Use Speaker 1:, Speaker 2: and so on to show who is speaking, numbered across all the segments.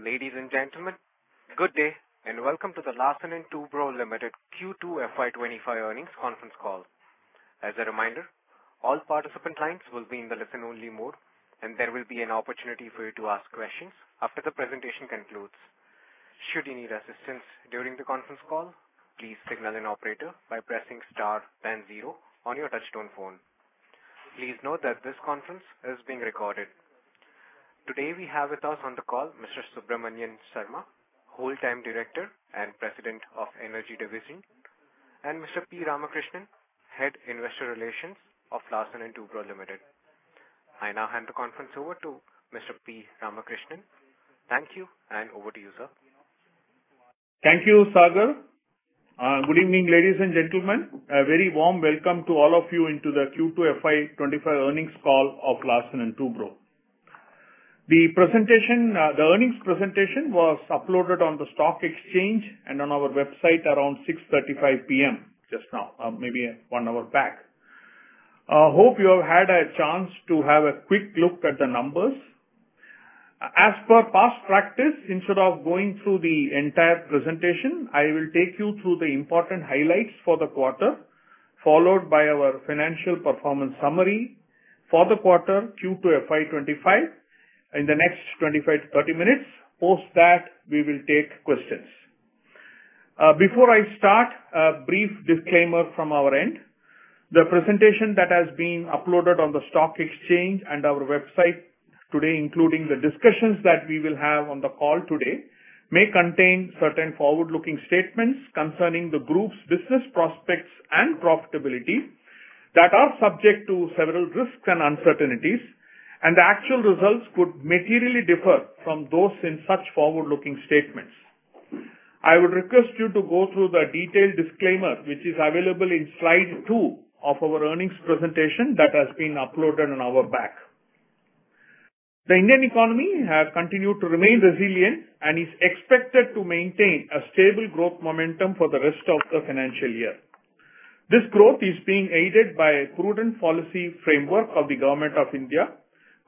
Speaker 1: Ladies and gentlemen, good day and welcome to the Larsen & Toubro Limited Q2 FY25 Earnings Conference Call. As a reminder, all participant lines will be in the listen-only mode, and there will be an opportunity for you to ask questions after the presentation concludes. Should you need assistance during the conference call, please signal an operator by pressing star then zero on your touch-tone phone. Please note that this conference is being recorded. Today we have with us on the call Mr. Subramanian Sarma, Whole-time Director and President of Energy Division, and Mr. P. Ramakrishnan, Head of Investor Relations of Larsen & Toubro Limited. I now hand the conference over to Mr. P. Ramakrishnan. Thank you, and over to you, sir.
Speaker 2: Thank you, Sagar. Good evening, ladies and gentlemen. A very warm welcome to all of you into the Q2 FY25 earnings call of Larsen & Toubro. The earnings presentation was uploaded on the stock exchange and on our website around 6:35 P.M. just now, maybe one hour back. I hope you have had a chance to have a quick look at the numbers. As per past practice, instead of going through the entire presentation, I will take you through the important highlights for the quarter, followed by our financial performance summary for the quarter Q2 FY25 in the next 25 to 30 minutes. Post that, we will take questions. Before I start, a brief disclaimer from our end. The presentation that has been uploaded on the stock exchange and our website today, including the discussions that we will have on the call today, may contain certain forward-looking statements concerning the group's business prospects and profitability that are subject to several risks and uncertainties, and the actual results could materially differ from those in such forward-looking statements. I would request you to go through the detailed disclaimer, which is available in slide two of our earnings presentation that has been uploaded on our website. The Indian economy has continued to remain resilient and is expected to maintain a stable growth momentum for the rest of the financial year. This growth is being aided by a prudent policy framework of the government of India,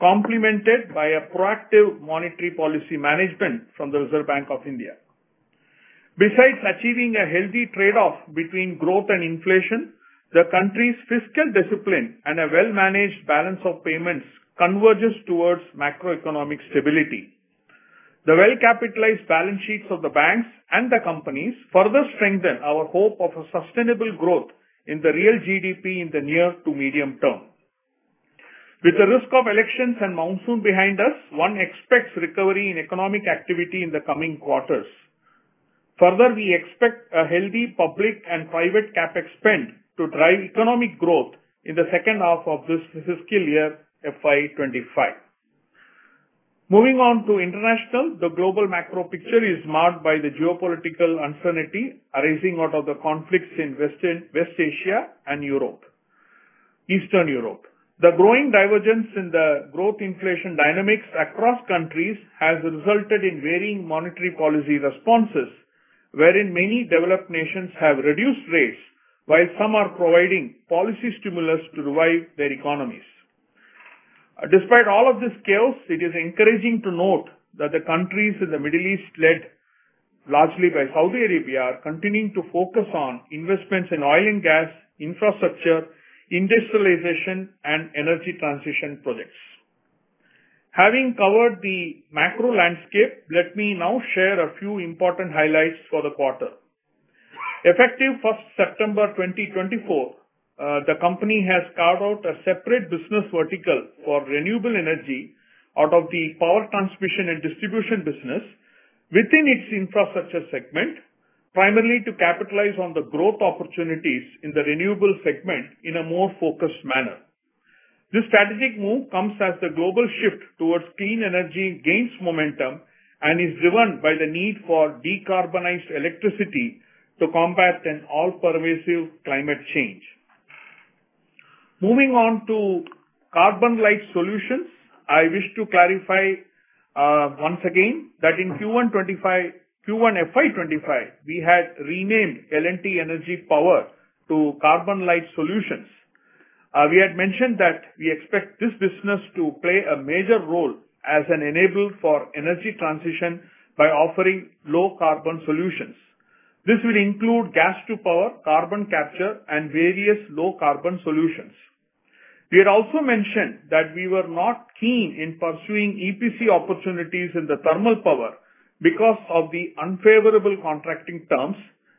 Speaker 2: complemented by a proactive monetary policy management from the Reserve Bank of India. Besides achieving a healthy trade-off between growth and inflation, the country's fiscal discipline and a well-managed balance of payments converges towards macroeconomic stability. The well-capitalized balance sheets of the banks and the companies further strengthen our hope of a sustainable growth in the real GDP in the near to medium term. With the risk of elections and monsoon behind us, one expects recovery in economic activity in the coming quarters. Further, we expect a healthy public and private CapEx spend to drive economic growth in the second half of this fiscal year FY25. Moving on to international, the global macro picture is marked by the geopolitical uncertainty arising out of the conflicts in West Asia and Eastern Europe. The growing divergence in the growth inflation dynamics across countries has resulted in varying monetary policy responses, wherein many developed nations have reduced rates, while some are providing policy stimulus to revive their economies. Despite all of this chaos, it is encouraging to note that the countries in the Middle East, led largely by Saudi Arabia, are continuing to focus on investments in oil and gas, infrastructure, industrialization, and energy transition projects. Having covered the macro landscape, let me now share a few important highlights for the quarter. Effective 1st September 2024, the company has carved out a separate business vertical for renewable energy out of the power transmission and distribution business within its infrastructure segment, primarily to capitalize on the growth opportunities in the renewable segment in a more focused manner. This strategic move comes as the global shift towards clean energy gains momentum and is driven by the need for decarbonized electricity to combat an all-pervasive climate change. Moving on to CarbonLite Solutions, I wish to clarify once again that in Q1 FY25, we had renamed L&T Energy Power to CarbonLite Solutions. We had mentioned that we expect this business to play a major role as an enabler for energy transition by offering low-carbon solutions. This will include gas-to-power, carbon capture, and various low-carbon solutions. We had also mentioned that we were not keen in pursuing EPC opportunities in the thermal power because of the unfavorable contracting terms,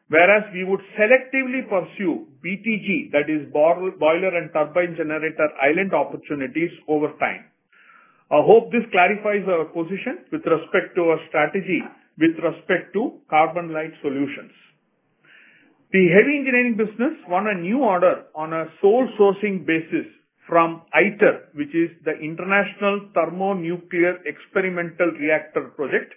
Speaker 2: whereas we would selectively pursue BTG, that is, boiler and turbine generator island opportunities over time. I hope this clarifies our position with respect to our strategy with respect to CarbonLite Solutions. The heavy engineering business won a new order on a sole sourcing basis from ITER, which is the International Thermonuclear Experimental Reactor Project,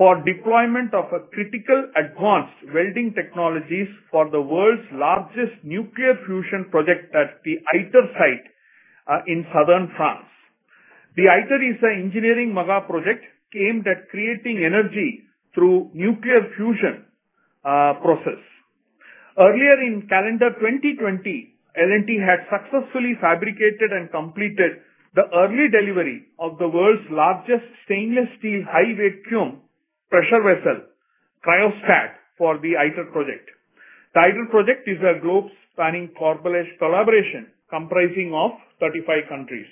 Speaker 2: for deployment of critical advanced welding technologies for the world's largest nuclear fusion project at the ITER site in southern France. The ITER is an engineering mega project aimed at creating energy through nuclear fusion process. Earlier in calendar 2020, L&T had successfully fabricated and completed the early delivery of the world's largest stainless steel high-vacuum pressure vessel, Cryostat, for the ITER project. The ITER project is a globe-spanning corporate collaboration comprising of 35 countries.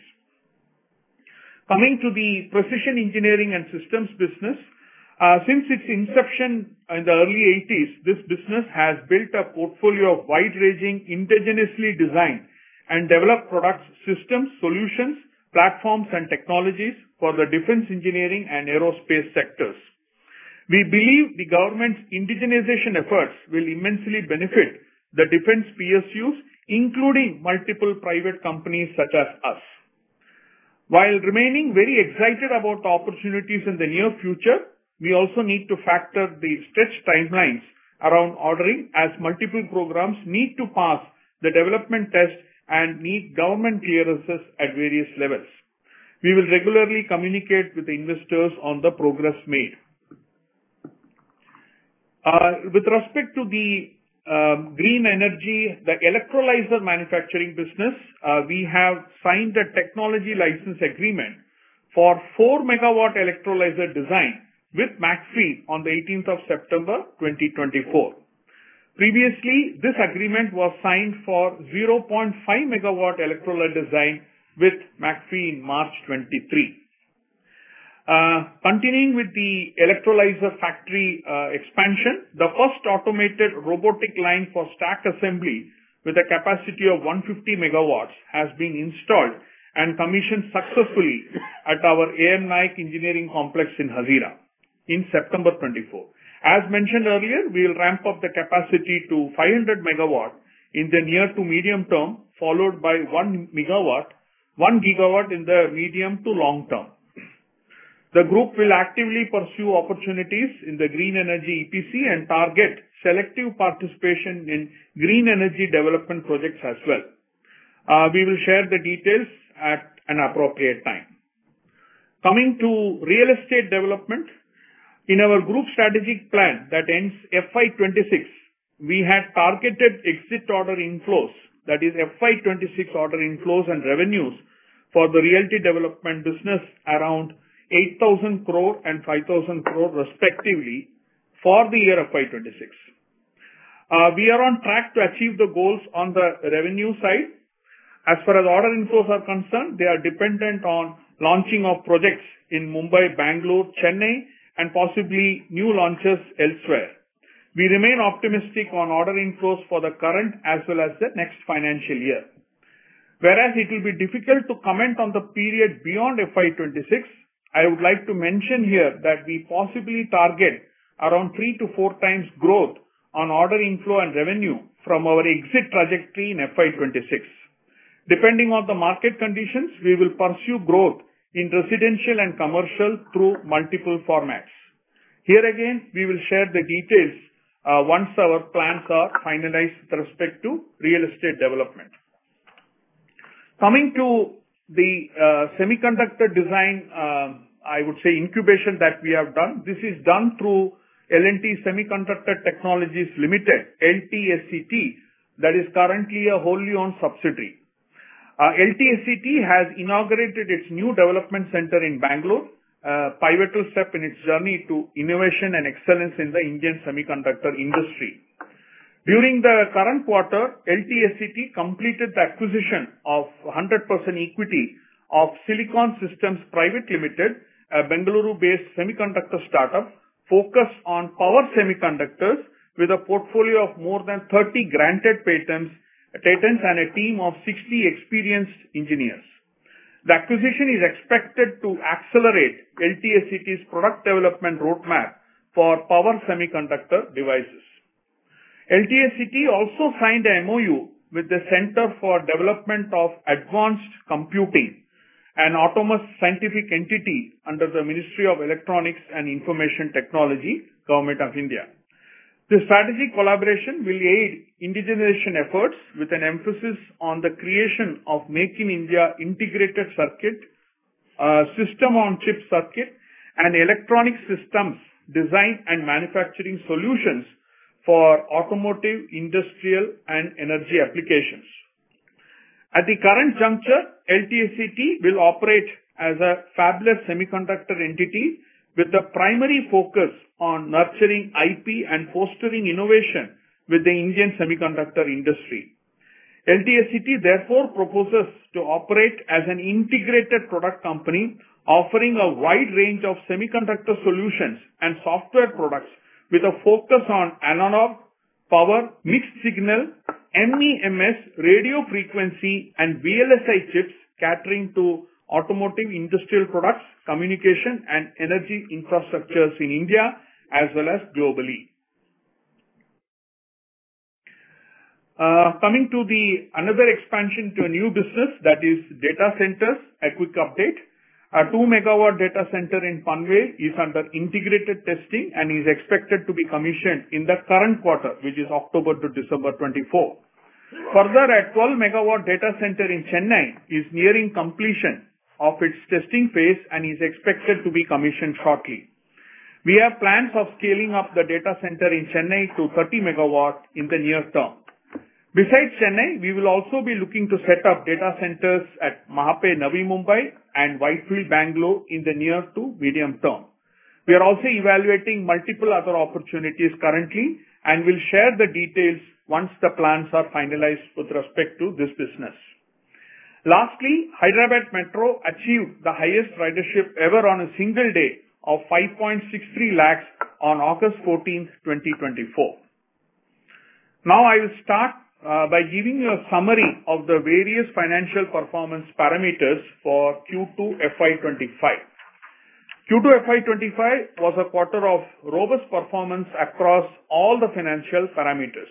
Speaker 2: Coming to the precision engineering and systems business, since its inception in the early '80s, this business has built a portfolio of wide-ranging, indigenously designed and developed products, systems, solutions, platforms, and technologies for the defense engineering and aerospace sectors. We believe the government's indigenization efforts will immensely benefit the defense PSUs, including multiple private companies such as us. While remaining very excited about opportunities in the near future, we also need to factor the stretched timelines around ordering, as multiple programs need to pass the development test and need government clearances at various levels. We will regularly communicate with the investors on the progress made. With respect to the green energy, the electrolyzer manufacturing business, we have signed a technology license agreement for 4 megawatt electrolyzer design with McPhy on the 18th of September 2024. Previously, this agreement was signed for 0.5 megawatt electrolyzer design with McPhy in March 2023. Continuing with the electrolyzer factory expansion, the first automated robotic line for stack assembly with a capacity of 150 megawatts has been installed and commissioned successfully at our A.M. Naik Heavy Engineering Complex in Hazira in September 2024. As mentioned earlier, we will ramp up the capacity to 500 megawatts in the near to medium term, followed by one gigawatt in the medium to long term. The group will actively pursue opportunities in the green energy EPC and target selective participation in green energy development projects as well. We will share the details at an appropriate time. Coming to real estate development, in our group strategic plan that ends FY26, we had targeted exit order inflows, that is, FY26 order inflows and revenues for the realty development business around 8,000 crore and 5,000 crore respectively for the year FY26. We are on track to achieve the goals on the revenue side. As far as order inflows are concerned, they are dependent on launching of projects in Mumbai, Bangalore, Chennai, and possibly new launches elsewhere. We remain optimistic on order inflows for the current as well as the next financial year. Whereas it will be difficult to comment on the period beyond FY26, I would like to mention here that we possibly target around three to four times growth on order inflow and revenue from our exit trajectory in FY26. Depending on the market conditions, we will pursue growth in residential and commercial through multiple formats. Here again, we will share the details once our plans are finalized with respect to real estate development. Coming to the semiconductor design, I would say incubation that we have done, this is done through L&T Semiconductor Technologies Limited, LTSCT, that is currently a wholly-owned subsidiary. LTSCT has inaugurated its new development center in Bangalore, a pivotal step in its journey to innovation and excellence in the Indian semiconductor industry. During the current quarter, LTSCT completed the acquisition of 100% equity of SiliConch Systems Private Limited, a Bengaluru-based semiconductor startup focused on power semiconductors with a portfolio of more than 30 granted patents and a team of 60 experienced engineers. The acquisition is expected to accelerate LTSCT's product development roadmap for power semiconductor devices. LTSCT also signed an MOU with the Center for Development of Advanced Computing, an autonomous scientific entity under the Ministry of Electronics and Information Technology, Government of India. The strategic collaboration will aid indigenization efforts with an emphasis on the creation of Make in India Integrated Circuit, System on Chip Circuit, and Electronic Systems Design and Manufacturing Solutions for automotive, industrial, and energy applications. At the current juncture, LTSCT will operate as a fabless semiconductor entity with a primary focus on nurturing IP and fostering innovation with the Indian semiconductor industry. LTSCT therefore proposes to operate as an integrated product company, offering a wide range of semiconductor solutions and software products with a focus on analog, power, mixed signal, MEMS, radio frequency, and VLSI chips catering to automotive, industrial products, communication, and energy infrastructures in India as well as globally. Coming to another expansion to a new business, that is data centers, a quick update. A 2 megawatt data center in Panvel is under integrated testing and is expected to be commissioned in the current quarter, which is October to December 2024. Further, a 12 megawatt data center in Chennai is nearing completion of its testing phase and is expected to be commissioned shortly. We have plans of scaling up the data center in Chennai to 30 megawatts in the near term. Besides Chennai, we will also be looking to set up data centers at Mahape, Navi Mumbai and Whitefield, Bangalore in the near to medium term. We are also evaluating multiple other opportunities currently and will share the details once the plans are finalized with respect to this business. Lastly, Hyderabad Metro achieved the highest ridership ever on a single day of 563,000 on August 14, 2024. Now, I will start by giving you a summary of the various financial performance parameters for Q2 FY25. Q2 FY25 was a quarter of robust performance across all the financial parameters.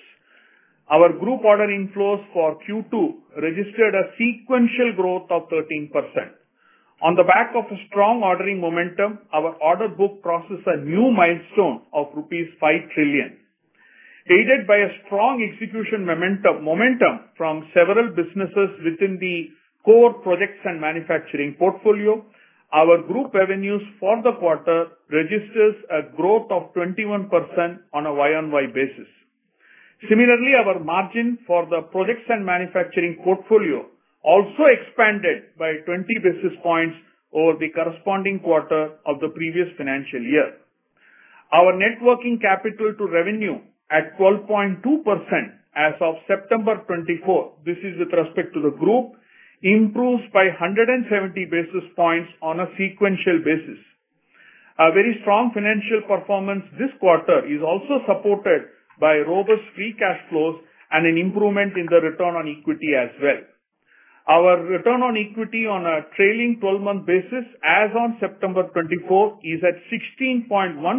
Speaker 2: Our group order inflows for Q2 registered a sequential growth of 13%. On the back of a strong ordering momentum, our order book processed a new milestone of rupees 5 trillion. Aided by a strong execution momentum from several businesses within the core projects and manufacturing portfolio, our group revenues for the quarter registered a growth of 21% on a Y on Y basis. Similarly, our margin for the projects and manufacturing portfolio also expanded by 20 basis points over the corresponding quarter of the previous financial year. Our net working capital to revenue at 12.2% as of September 2024, this is with respect to the group, improved by 170 basis points on a sequential basis. A very strong financial performance this quarter is also supported by robust free cash flows and an improvement in the return on equity as well. Our return on equity on a trailing 12-month basis as of September 2024 is at 16.1%,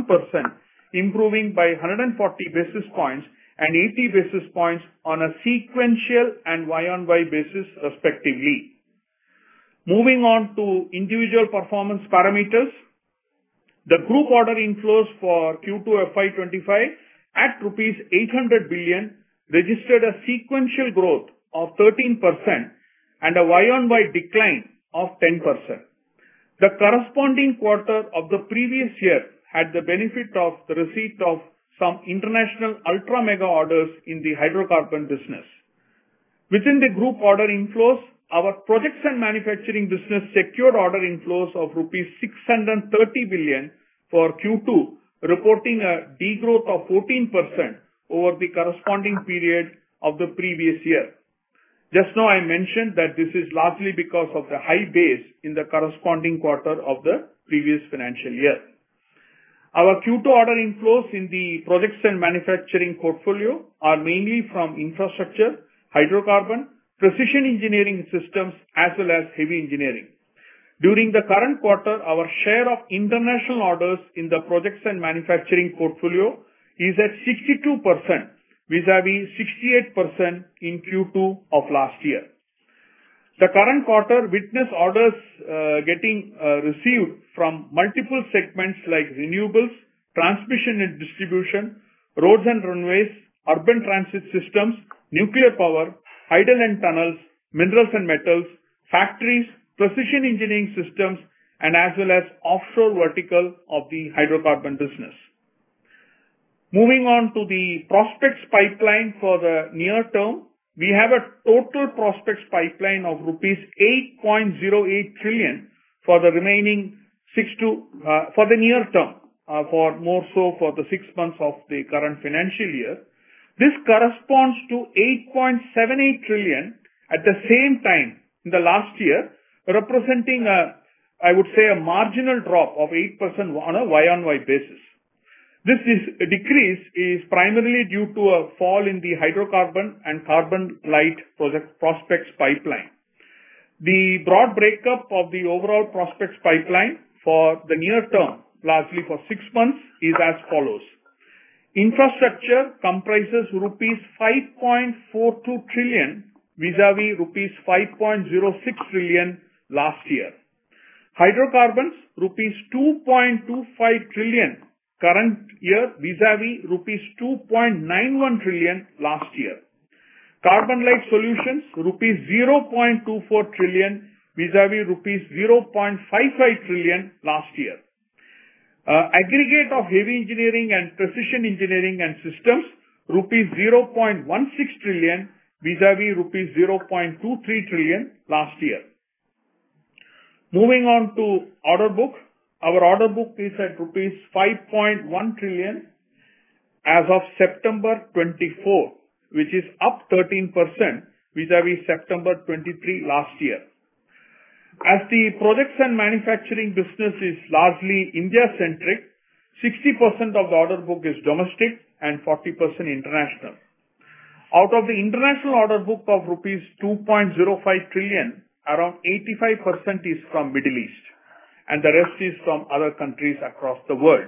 Speaker 2: improving by 140 basis points and 80 basis points on a sequential and Y on Y basis respectively. Moving on to individual performance parameters, the group order inflows for Q2 FY25 at rupees 800 billion registered a sequential growth of 13% and a Y on Y decline of 10%. The corresponding quarter of the previous year had the benefit of the receipt of some international ultra mega orders in the hydrocarbon business. Within the group order inflows, our projects and manufacturing business secured order inflows of rupees 630 billion for Q2, reporting a degrowth of 14% over the corresponding period of the previous year. Just now, I mentioned that this is largely because of the high base in the corresponding quarter of the previous financial year. Our Q2 order inflows in the projects and manufacturing portfolio are mainly from infrastructure, hydrocarbon, precision engineering systems, as well as heavy engineering. During the current quarter, our share of international orders in the projects and manufacturing portfolio is at 62%, vis-à-vis 68% in Q2 of last year. The current quarter witnessed orders getting received from multiple segments like renewables, transmission and distribution, roads and runways, urban transit systems, nuclear power, hydro and tunnels, minerals and metals, factories, precision engineering systems, and as well as offshore vertical of the hydrocarbon business. Moving on to the prospects pipeline for the near term, we have a total prospects pipeline of rupees 8.08 trillion for the remaining six to for the near term, more so for the six months of the current financial year. This corresponds to 8.78 trillion at the same time in the last year, representing, I would say, a marginal drop of 8% on a Y on Y basis. This decrease is primarily due to a fall in the hydrocarbon and carbon light project prospects pipeline. The broad breakup of the overall prospects pipeline for the near term, largely for six months, is as follows. Infrastructure comprises rupees 5.42 trillion vis-à-vis rupees 5.06 trillion last year. Hydrocarbons, rupees 2.25 trillion current year, vis-à-vis rupees 2.91 trillion last year. Carbon light solutions, rupees 0.24 trillion vis-à-vis rupees 0.55 trillion last year. Aggregate of heavy engineering and precision engineering and systems, rupees 0.16 trillion vis-à-vis rupees 0.23 trillion last year. Moving on to order book, our order book is at rupees 5.1 trillion as of September 2024, which is up 13% vis-à-vis September 2023 last year. As the projects and manufacturing business is largely India-centric, 60% of the order book is domestic and 40% international. Out of the international order book of rupees 2.05 trillion, around 85% is from Middle East, and the rest is from other countries across the world.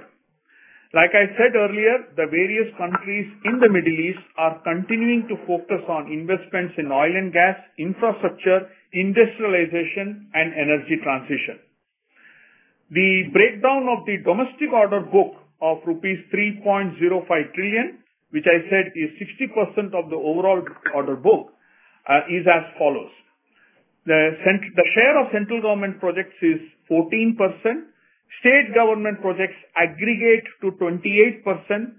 Speaker 2: Like I said earlier, the various countries in the Middle East are continuing to focus on investments in oil and gas, infrastructure, industrialization, and energy transition. The breakdown of the domestic order book of rupees 3.05 trillion, which I said is 60% of the overall order book, is as follows. The share of central government projects is 14%. State government projects aggregate to 28%.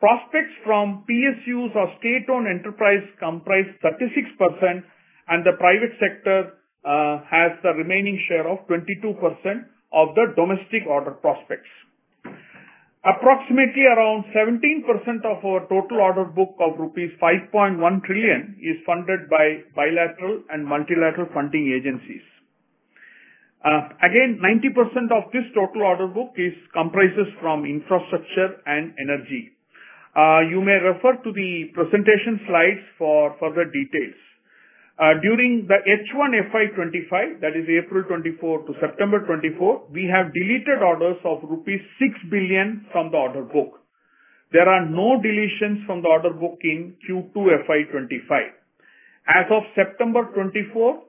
Speaker 2: Prospects from PSUs or state-owned enterprise comprise 36%, and the private sector has the remaining share of 22% of the domestic order prospects. Approximately around 17% of our total order book of rupees 5.1 trillion is funded by bilateral and multilateral funding agencies. Again, 90% of this total order book comprises from infrastructure and energy. You may refer to the presentation slides for further details. During the H1 FY25, that is April 2024 to September 2024, we have deleted orders of rupees 6 billion from the order book. There are no deletions from the order book in Q2 FY25. As of September 2024,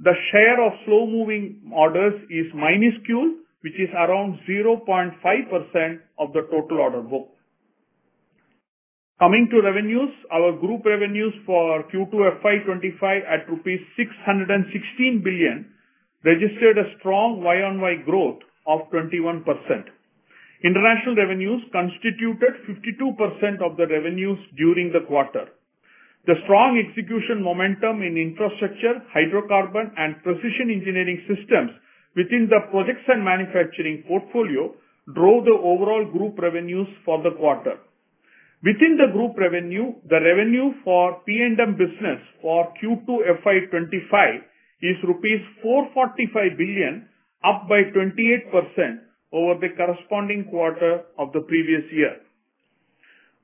Speaker 2: the share of slow-moving orders is minuscule, which is around 0.5% of the total order book. Coming to revenues, our group revenues for Q2 FY25 at rupees 616 billion registered a strong Y on Y growth of 21%. International revenues constituted 52% of the revenues during the quarter. The strong execution momentum in infrastructure, hydrocarbon, and precision engineering systems within the projects and manufacturing portfolio drove the overall group revenues for the quarter. Within the group revenue, the revenue for P&M business for Q2 FY25 is rupees 445 billion, up by 28% over the corresponding quarter of the previous year.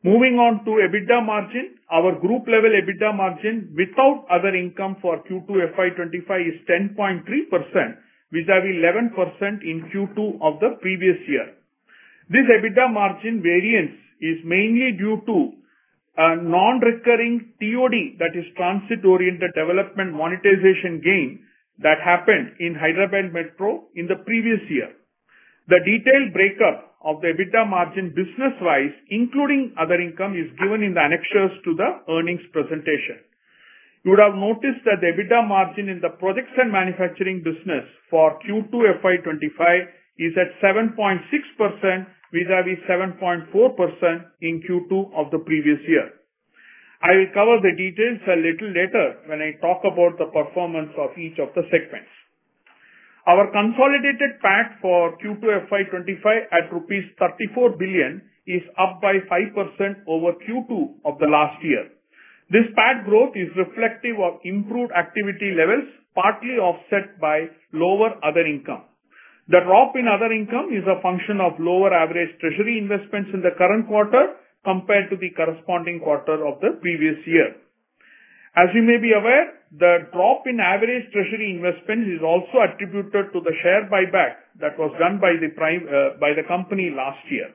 Speaker 2: Moving on to EBITDA margin, our group-level EBITDA margin without other income for Q2 FY25 is 10.3%, vis-à-vis 11% in Q2 of the previous year. This EBITDA margin variance is mainly due to a non-recurring TOD, that is Transit Oriented Development Monetization Gain, that happened in Hyderabad Metro in the previous year. The detailed breakup of the EBITDA margin business-wise, including other income, is given in the annexes to the earnings presentation. You would have noticed that the EBITDA margin in the projects and manufacturing business for Q2 FY25 is at 7.6%, vis-à-vis 7.4% in Q2 of the previous year. I will cover the details a little later when I talk about the performance of each of the segments. Our consolidated PAT for Q2 FY25 at INR 34 billion is up by 5% over Q2 of the last year. This PAT growth is reflective of improved activity levels, partly offset by lower other income. The drop in other income is a function of lower average treasury investments in the current quarter compared to the corresponding quarter of the previous year. As you may be aware, the drop in average treasury investments is also attributed to the share buyback that was done by the company last year.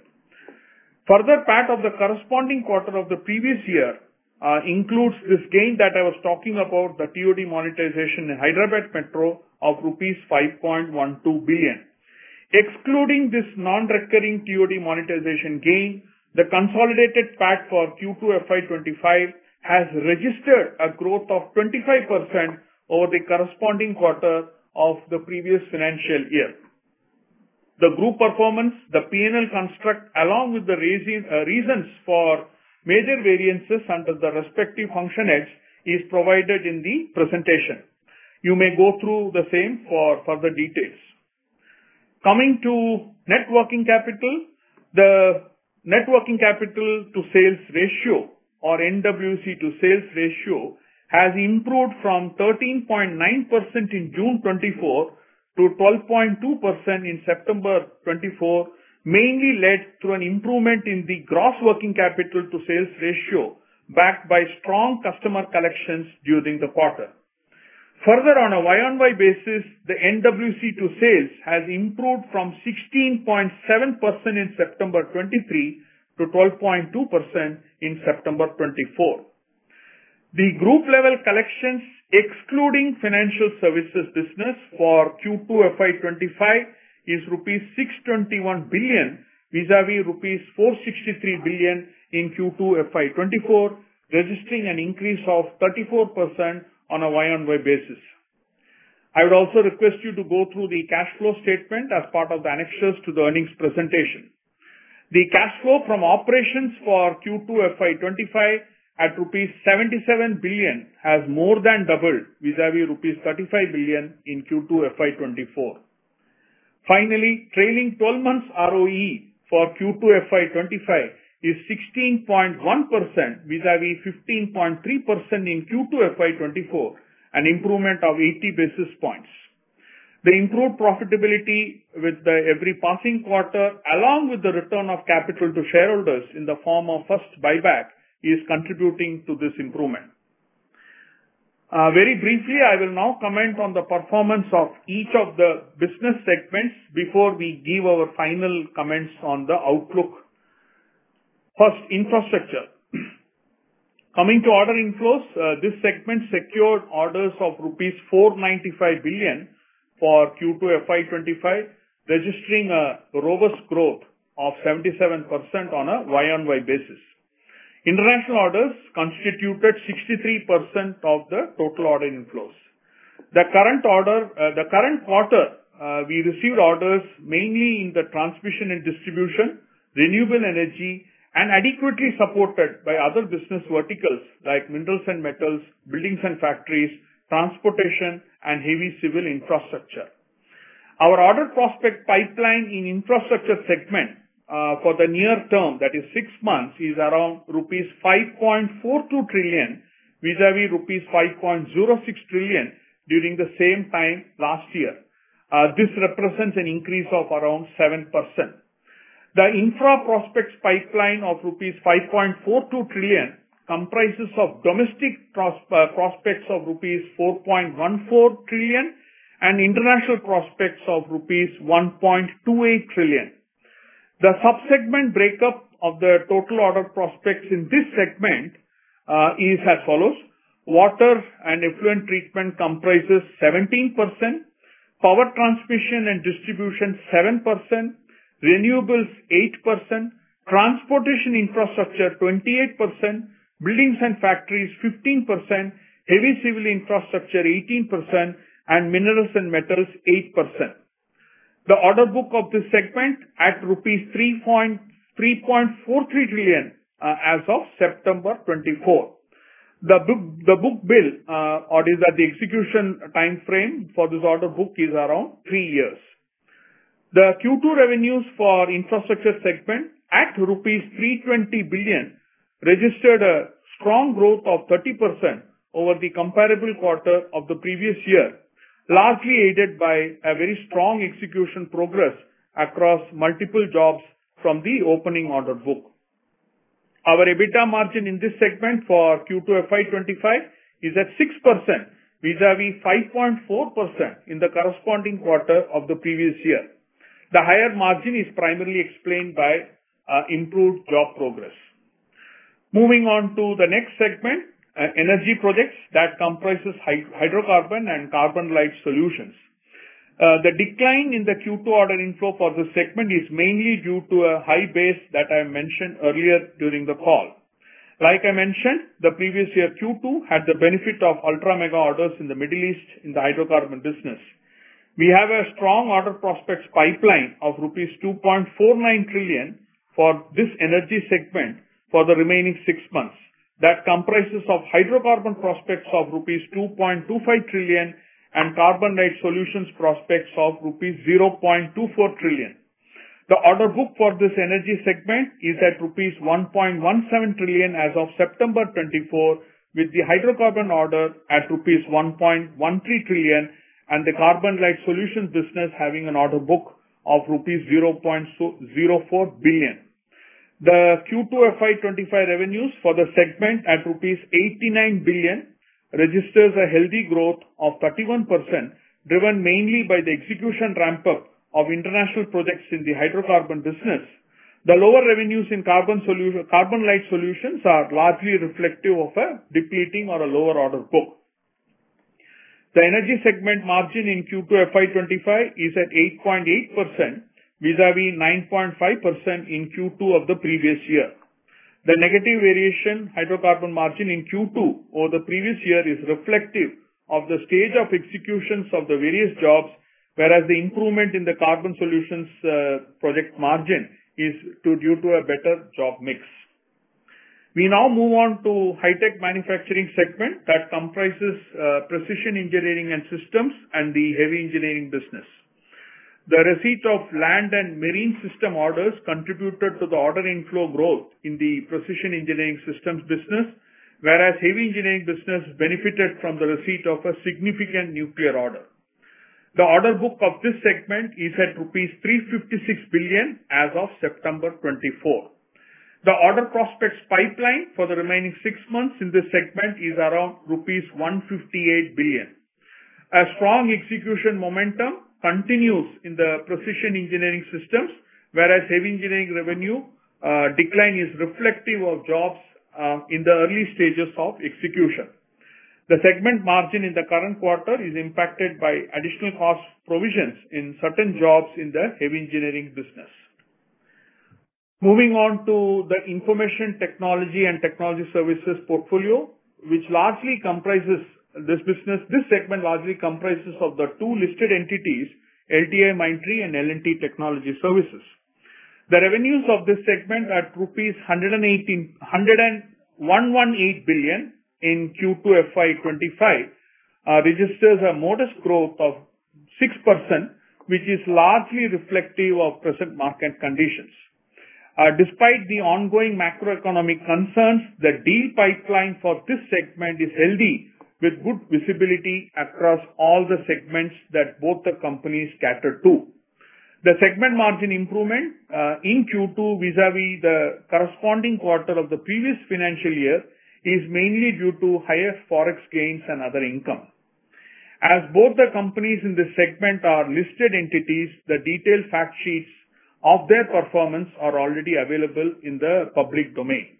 Speaker 2: Further PAT of the corresponding quarter of the previous year includes this gain that I was talking about, the TOD monetization in Hyderabad Metro of rupees 5.12 billion. Excluding this non-recurring TOD monetization gain, the consolidated PAT for Q2 FY25 has registered a growth of 25% over the corresponding quarter of the previous financial year. The group performance, the P&L construct, along with the reasons for major variances under the respective function heads is provided in the presentation. You may go through the same for further details. Coming to net working capital, the net working capital to sales ratio, or NWC to sales ratio, has improved from 13.9% in June 2024 to 12.2% in September 2024, mainly due to an improvement in the gross working capital to sales ratio backed by strong customer collections during the quarter. Further, on a Y on Y basis, the NWC to sales has improved from 16.7% in September 2023 to 12.2% in September 2024. The group-level collections, excluding financial services business for Q2 FY25, is rupees 621 billion vis-à-vis rupees 463 billion in Q2 FY24, registering an increase of 34% on a Y on Y basis. I would also request you to go through the cash flow statement as part of the annexes to the earnings presentation. The cash flow from operations for Q2 FY25 at rupees 77 billion has more than doubled vis-à-vis rupees 35 billion in Q2 FY24. Finally, trailing 12 months ROE for Q2 FY25 is 16.1% vis-à-vis 15.3% in Q2 FY24, an improvement of 80 basis points. The improved profitability with every passing quarter, along with the return of capital to shareholders in the form of first buyback, is contributing to this improvement. Very briefly, I will now comment on the performance of each of the business segments before we give our final comments on the outlook. First, infrastructure. Coming to order inflows, this segment secured orders of rupees 495 billion for Q2 FY25, registering a robust growth of 77% on a Y on Y basis. International orders constituted 63% of the total order inflows. The current quarter, we received orders mainly in the transmission and distribution, renewable energy, and adequately supported by other business verticals like minerals and metals, buildings and factories, transportation, and heavy civil infrastructure. Our order prospect pipeline in infrastructure segment for the near term, that is six months, is around rupees 5.42 trillion vis-à-vis rupees 5.06 trillion during the same time last year. This represents an increase of around 7%. The infra prospects pipeline of rupees 5.42 trillion comprises of domestic prospects of rupees 4.14 trillion and international prospects of rupees 1.28 trillion. The subsegment breakup of the total order prospects in this segment is as follows. Water and effluent treatment comprises 17%, power transmission and distribution 7%, renewables 8%, transportation infrastructure 28%, buildings and factories 15%, heavy civil infrastructure 18%, and minerals and metals 8%. The order book of this segment at rupees 3.43 trillion as of September 24. The book bill, or the execution timeframe for this order book, is around three years. The Q2 revenues for infrastructure segment at rupees 320 billion registered a strong growth of 30% over the comparable quarter of the previous year, largely aided by a very strong execution progress across multiple jobs from the opening order book. Our EBITDA margin in this segment for Q2 FY25 is at 6% vis-à-vis 5.4% in the corresponding quarter of the previous year. The higher margin is primarily explained by improved job progress. Moving on to the next segment, energy projects that comprises hydrocarbon and carbon light solutions. The decline in the Q2 order inflow for this segment is mainly due to a high base that I mentioned earlier during the call. Like I mentioned, the previous year Q2 had the benefit of ultra mega orders in the Middle East in the hydrocarbon business. We have a strong order prospects pipeline of rupees 2.49 trillion for this energy segment for the remaining six months that comprises of hydrocarbon prospects of rupees 2.25 trillion and CarbonLite solutions prospects of rupees 0.24 trillion. The order book for this energy segment is at rupees 1.17 trillion as of September 24, with the hydrocarbon order at rupees 1.13 trillion and the CarbonLite solution business having an order book of rupees 0.04 billion. The Q2 FY25 revenues for the segment at rupees 89 billion registers a healthy growth of 31%, driven mainly by the execution ramp-up of international projects in the hydrocarbon business. The lower revenues in CarbonLite solutions are largely reflective of a depleting or a lower order book. The energy segment margin in Q2 FY25 is at 8.8% vis-à-vis 9.5% in Q2 of the previous year. The negative variation hydrocarbon margin in Q2 over the previous year is reflective of the stage of executions of the various jobs, whereas the improvement in the carbon solutions project margin is due to a better job mix. We now move on to high-tech manufacturing segment that comprises precision engineering systems and the heavy engineering business. The receipt of land and marine system orders contributed to the order inflow growth in the precision engineering systems business, whereas heavy engineering business benefited from the receipt of a significant nuclear order. The order book of this segment is at 356 billion rupees as of September 24. The order prospects pipeline for the remaining six months in this segment is around rupees 158 billion. A strong execution momentum continues in the precision engineering systems, whereas heavy engineering revenue decline is reflective of jobs in the early stages of execution. The segment margin in the current quarter is impacted by additional cost provisions in certain jobs in the heavy engineering business. Moving on to the information technology and technology services portfolio, which largely comprises of the two listed entities, LTIMindtree and L&T Technology Services. The revenues of this segment at rupees 118 billion in Q2 FY25 registers a modest growth of 6%, which is largely reflective of present market conditions. Despite the ongoing macroeconomic concerns, the deal pipeline for this segment is healthy, with good visibility across all the segments that both the companies cater to. The segment margin improvement in Q2 vis-à-vis the corresponding quarter of the previous financial year is mainly due to higher forex gains and other income. As both the companies in this segment are listed entities, the detailed fact sheets of their performance are already available in the public domain.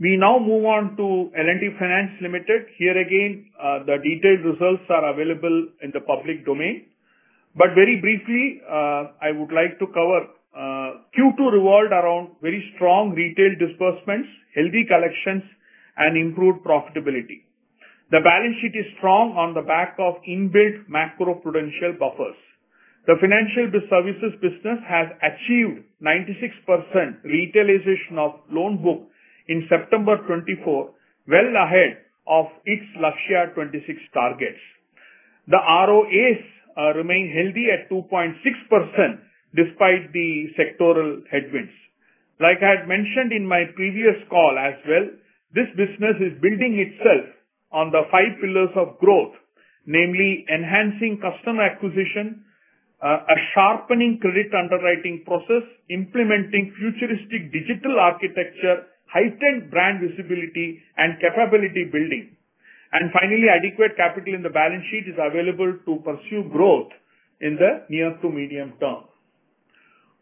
Speaker 2: We now move on to L&T Finance Limited. Here again, the detailed results are available in the public domain. But very briefly, I would like to cover Q2 readout around very strong retail disbursements, healthy collections, and improved profitability. The balance sheet is strong on the back of inbuilt macroprudential buffers. The financial services business has achieved 96% retailization of loan book in September 2024, well ahead of its last year 26% targets. The ROAs remain healthy at 2.6% despite the sectoral headwinds. Like I had mentioned in my previous call as well, this business is building itself on the five pillars of growth, namely enhancing customer acquisition, and sharpening credit underwriting process, implementing futuristic digital architecture, heightened brand visibility, and capability building. Finally, adequate capital in the balance sheet is available to pursue growth in the near to medium term.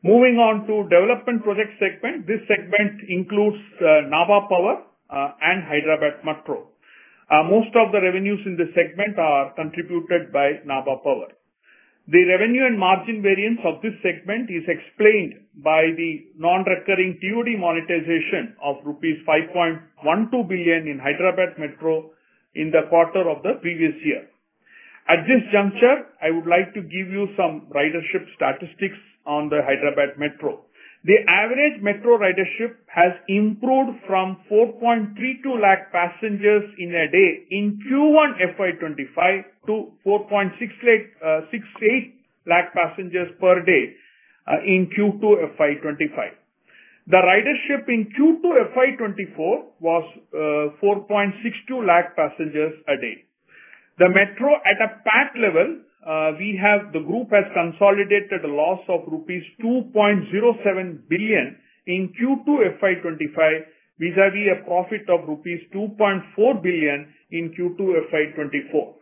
Speaker 2: Moving on to development project segment, this segment includes Nabha Power and Hyderabad Metro. Most of the revenues in this segment are contributed by Nabha Power. The revenue and margin variance of this segment is explained by the non-recurring TOD monetization of rupees 5.12 billion in Hyderabad Metro in the quarter of the previous year. At this juncture, I would like to give you some ridership statistics on the Hyderabad Metro. The average Metro ridership has improved from 4.32 lakh passengers in a day in Q1 FY25 to 4.68 lakh passengers per day in Q2 FY25. The ridership in Q2 FY24 was 4.62 lakh passengers a day. The Metro at a PAT level, the group has consolidated a loss of rupees 2.07 billion in Q2 FY25 vis-à-vis a profit of rupees 2.4 billion in Q2 FY24.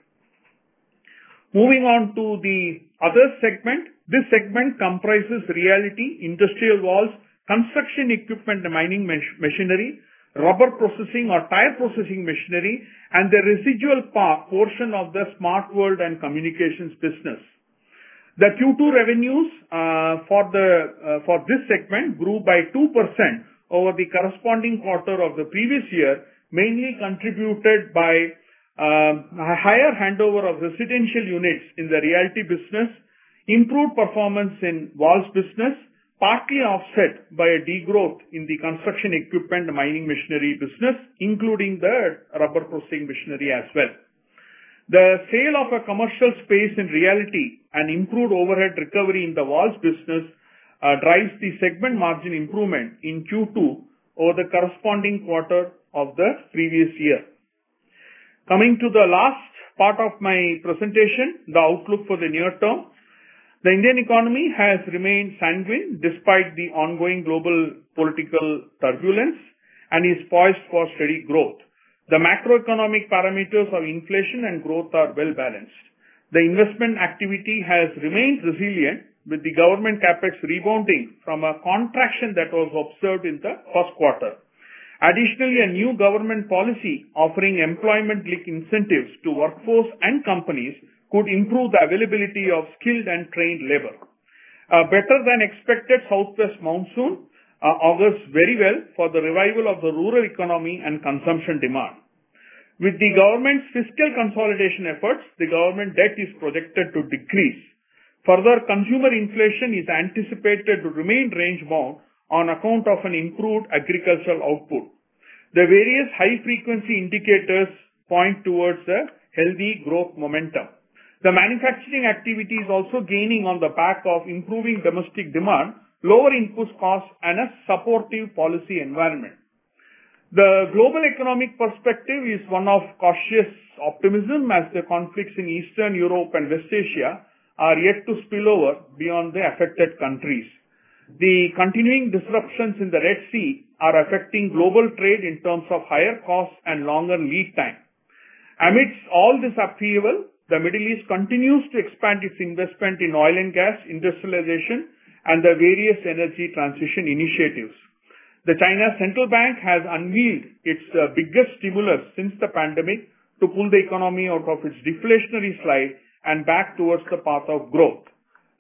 Speaker 2: Moving on to the other segment, this segment comprises realty, industrial valves, construction equipment, mining machinery, rubber processing or tire processing machinery, and the residual portion of the smart world and communications business. The Q2 revenues for this segment grew by 2% over the corresponding quarter of the previous year, mainly contributed by a higher handover of residential units in the realty business, improved performance in valves business, partly offset by a degrowth in the construction equipment, mining machinery business, including the rubber processing machinery as well. The sale of a commercial space in realty and improved overhead recovery in the valves business drives the segment margin improvement in Q2 over the corresponding quarter of the previous year. Coming to the last part of my presentation, the outlook for the near term, the Indian economy has remained sanguine despite the ongoing global political turbulence and is poised for steady growth. The macroeconomic parameters of inflation and growth are well balanced. The investment activity has remained resilient with the government CapEx rebounding from a contraction that was observed in the Q1. Additionally, a new government policy offering employment-linked incentives to workforce and companies could improve the availability of skilled and trained labor. A better than expected southwest monsoon augurs very well for the revival of the rural economy and consumption demand. With the government's fiscal consolidation efforts, the government debt is projected to decrease. Further consumer inflation is anticipated to remain range bound on account of an improved agricultural output. The various high-frequency indicators point towards a healthy growth momentum. The manufacturing activity is also gaining on the back of improving domestic demand, lower input costs, and a supportive policy environment. The global economic perspective is one of cautious optimism as the conflicts in Eastern Europe and West Asia are yet to spill over beyond the affected countries. The continuing disruptions in the Red Sea are affecting global trade in terms of higher costs and longer lead time. Amidst all this upheaval, the Middle East continues to expand its investment in oil and gas industrialization and the various energy transition initiatives. The China Central Bank has unveiled its biggest stimulus since the pandemic to pull the economy out of its deflationary slide and back towards the path of growth.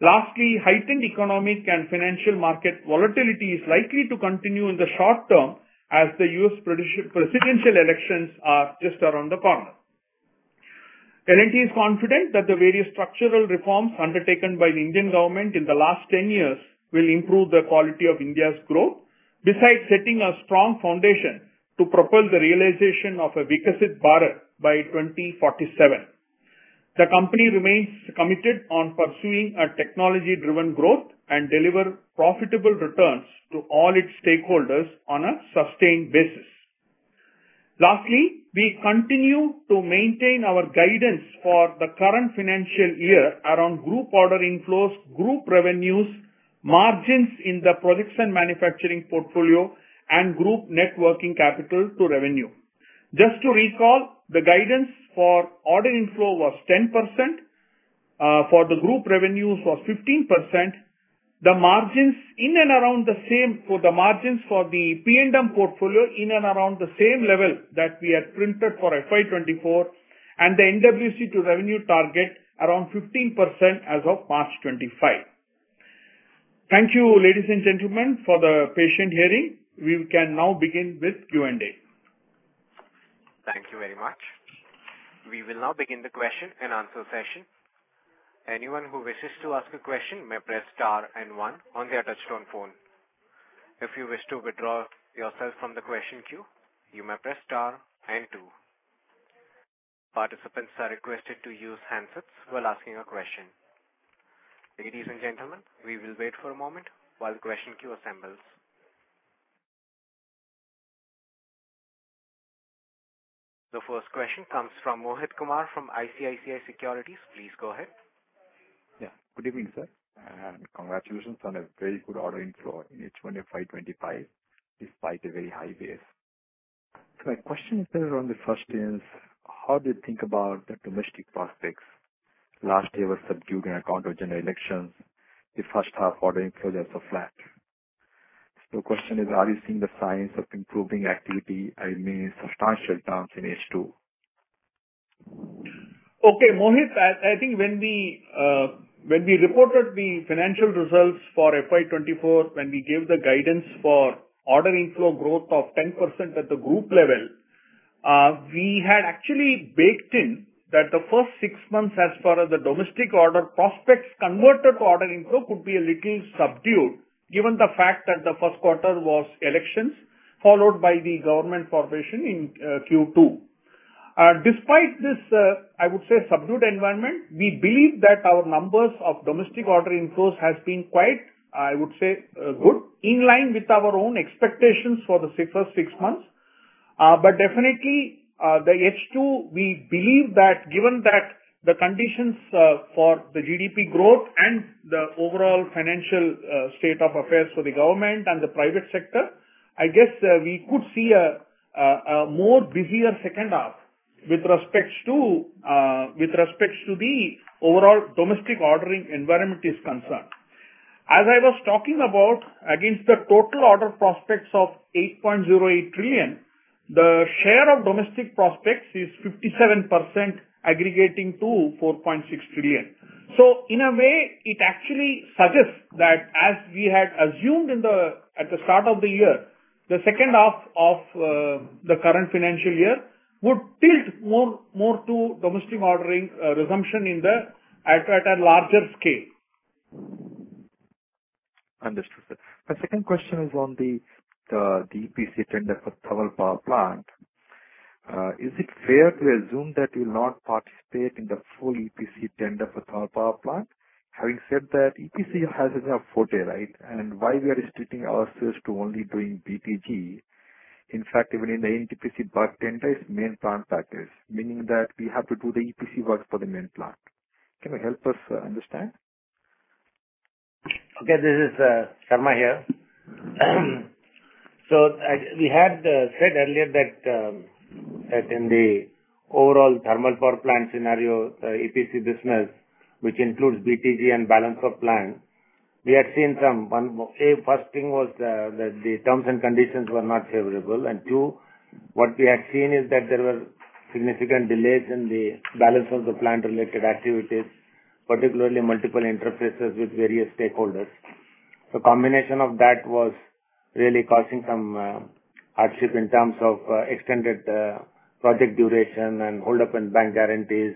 Speaker 2: Lastly, heightened economic and financial market volatility is likely to continue in the short term as the US presidential elections are just around the corner. L&T is confident that the various structural reforms undertaken by the Indian government in the last 10 years will improve the quality of India's growth, besides setting a strong foundation to propel the realization of Viksit Bharat by 2047. The company remains committed on pursuing a technology-driven growth and delivering profitable returns to all its stakeholders on a sustained basis. Lastly, we continue to maintain our guidance for the current financial year around group order inflows, group revenues, margins in the production manufacturing portfolio, and group net working capital to revenue. Just to recall, the guidance for order inflow was 10%, for the group revenues was 15%. The margins in and around the same for the margins for the P&M portfolio in and around the same level that we had printed for FY24 and the NWC to revenue target around 15% as of March 2025.
Speaker 1: Thank you, ladies and gentlemen, for the patient hearing. We can now begin with Q&A. Thank you very much. We will now begin the Q&A session. Anyone who wishes to ask a question may press star and one on their touch-tone phone. If you wish to withdraw yourself from the question queue, you may press star and two. Participants are requested to use handsets while asking a question. Ladies and gentlemen, we will wait for a moment while the question queue assembles. The first question comes from Mohit Kumar from ICICI Securities. Please go ahead.
Speaker 3: Yeah. Good evening, sir. Congratulations on a very good order inflow in H1 FY25 despite a very high base. So my question is around the first is, how do you think about the domestic prospects? Last year was subdued on account of general elections. The first half order inflow was so flat. So the question is, are you seeing the signs of improving activity? Are you making substantial jumps in H2?
Speaker 2: Okay, Mohit, I think when we reported the financial results for FY24, when we gave the guidance for order inflow growth of 10% at the group level, we had actually baked in that the first six months as far as the domestic order prospects converted to order inflow could be a little subdued given the fact that the Q1 was elections followed by the government formation in Q2. Despite this, I would say, subdued environment, we believe that our numbers of domestic order inflows have been quite, I would say, good in line with our own expectations for the first six months. But definitely, the H2, we believe that given the conditions for the GDP growth and the overall financial state of affairs for the government and the private sector, I guess we could see a more busier second half with respect to the overall domestic ordering environment is concerned. As I was talking about, against the total order prospects of 8.08 trillion, the share of domestic prospects is 57% aggregating to 4.6 trillion. So in a way, it actually suggests that as we had assumed at the start of the year, the second half of the current financial year would tilt more to domestic ordering resumption in a larger scale.
Speaker 3: Understood, sir. My second question is on the EPC tender for Talcher Power Plant. Is it fair to assume that we will not participate in the full EPC tender for Talcher Power Plant? Having said that, EPC has enough forte, right? And why we are restricting our sales to only doing BTG? In fact, even in the NTPC Barh tender, it's main plant package, meaning that we have to do the EPC work for the main plant. Can you help us understand?
Speaker 4: Okay, this is Sarma here. So we had said earlier that in the overall thermal power plant scenario, the EPC business, which includes BTG and balance of plant, we had seen. The first thing was that the terms and conditions were not favorable. And two, what we had seen is that there were significant delays in the balance of the plant-related activities, particularly multiple interfaces with various stakeholders. So combination of that was really causing some hardship in terms of extended project duration and hold-up in bank guarantees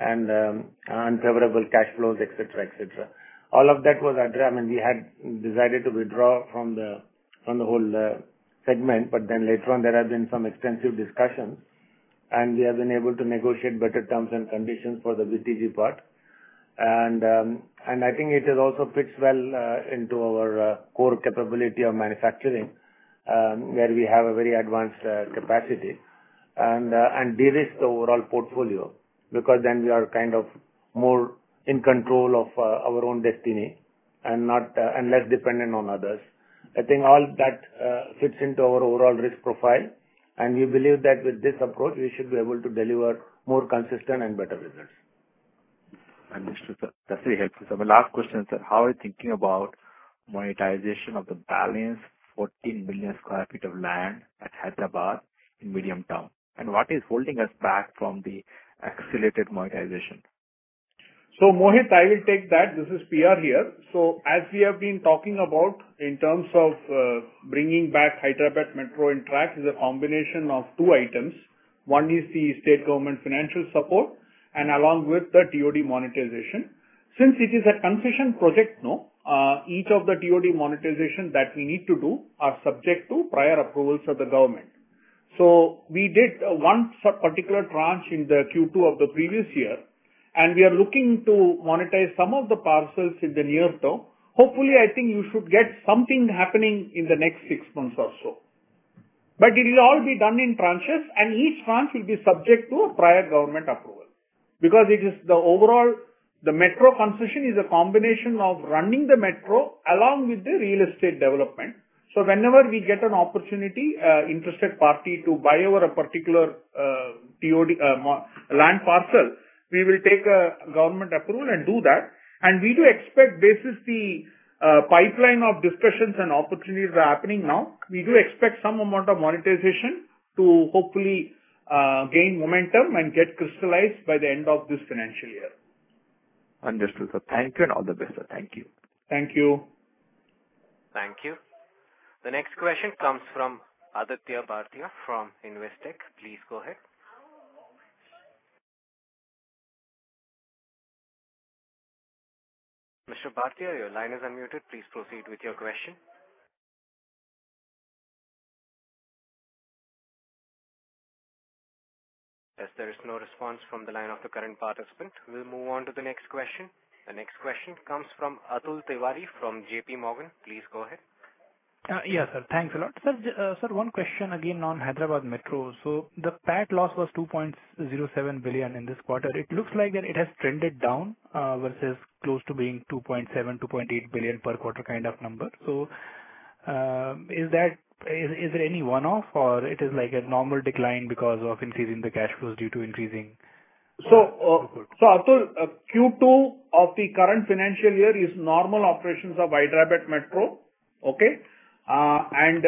Speaker 4: and unfavorable cash flows, etc., etc. All of that was addressed. I mean, we had decided to withdraw from the whole segment, but then later on, there have been some extensive discussions, and we have been able to negotiate better terms and conditions for the BTG part. And I think it also fits well into our core capability of manufacturing, where we have a very advanced capacity and de-risk the overall portfolio because then we are kind of more in control of our own destiny and less dependent on others. I think all that fits into our overall risk profile, and we believe that with this approach, we should be able to deliver more consistent and better results.
Speaker 3: Understood, sir. That's very helpful. So my last question, sir, how are you thinking about monetization of the balance 14 million sq ft of land at Hyderabad in Mediumtown? And what is holding us back from the accelerated monetization?
Speaker 2: So, Mohit, I will take that. This is PR here. So as we have been talking about, in terms of bringing back Hyderabad Metro on track, is a combination of two items. One is the state government financial support and along with the TOD monetization. Since it is a concession project now, each of the TOD monetization that we need to do are subject to prior approvals of the government. So we did one particular tranche in the Q2 of the previous year, and we are looking to monetize some of the parcels in the near term. Hopefully, I think you should get something happening in the next six months or so. But it will all be done in tranches, and each tranche will be subject to a prior government approval because it is the overall the Metro concession is a combination of running the Metro along with the real estate development. So whenever we get an opportunity, interested party to buy over a particular land parcel, we will take a government approval and do that. And we do expect basically the pipeline of discussions and opportunities that are happening now, we do expect some amount of monetization to hopefully gain momentum and get crystallized by the end of this financial year.
Speaker 3: Understood, sir. Thank you and all the best, sir. Thank you.
Speaker 2: Thank you.
Speaker 1: Thank you. The next question comes from Aditya Bhartia from Investec. Please go ahead. Mr. Bhartiya, your line is unmuted. Please proceed with your question. As there is no response from the line of the current participant, we'll move on to the next question. The next question comes from Atul Tiwari from JP Morgan. Please go ahead.
Speaker 5: Yes, sir. Thanks a lot. Sir, one question again on Hyderabad Metro. So the PAT loss was 2.07 billion in this quarter. It looks like that it has trended down versus close to being 2.7, 2.8 billion per quarter kind of number. So is there any one-off or it is like a normal decline because of increasing the cash flows due to increasing?
Speaker 2: So Atul, Q2 of the current financial year is normal operations of Hyderabad Metro, okay? And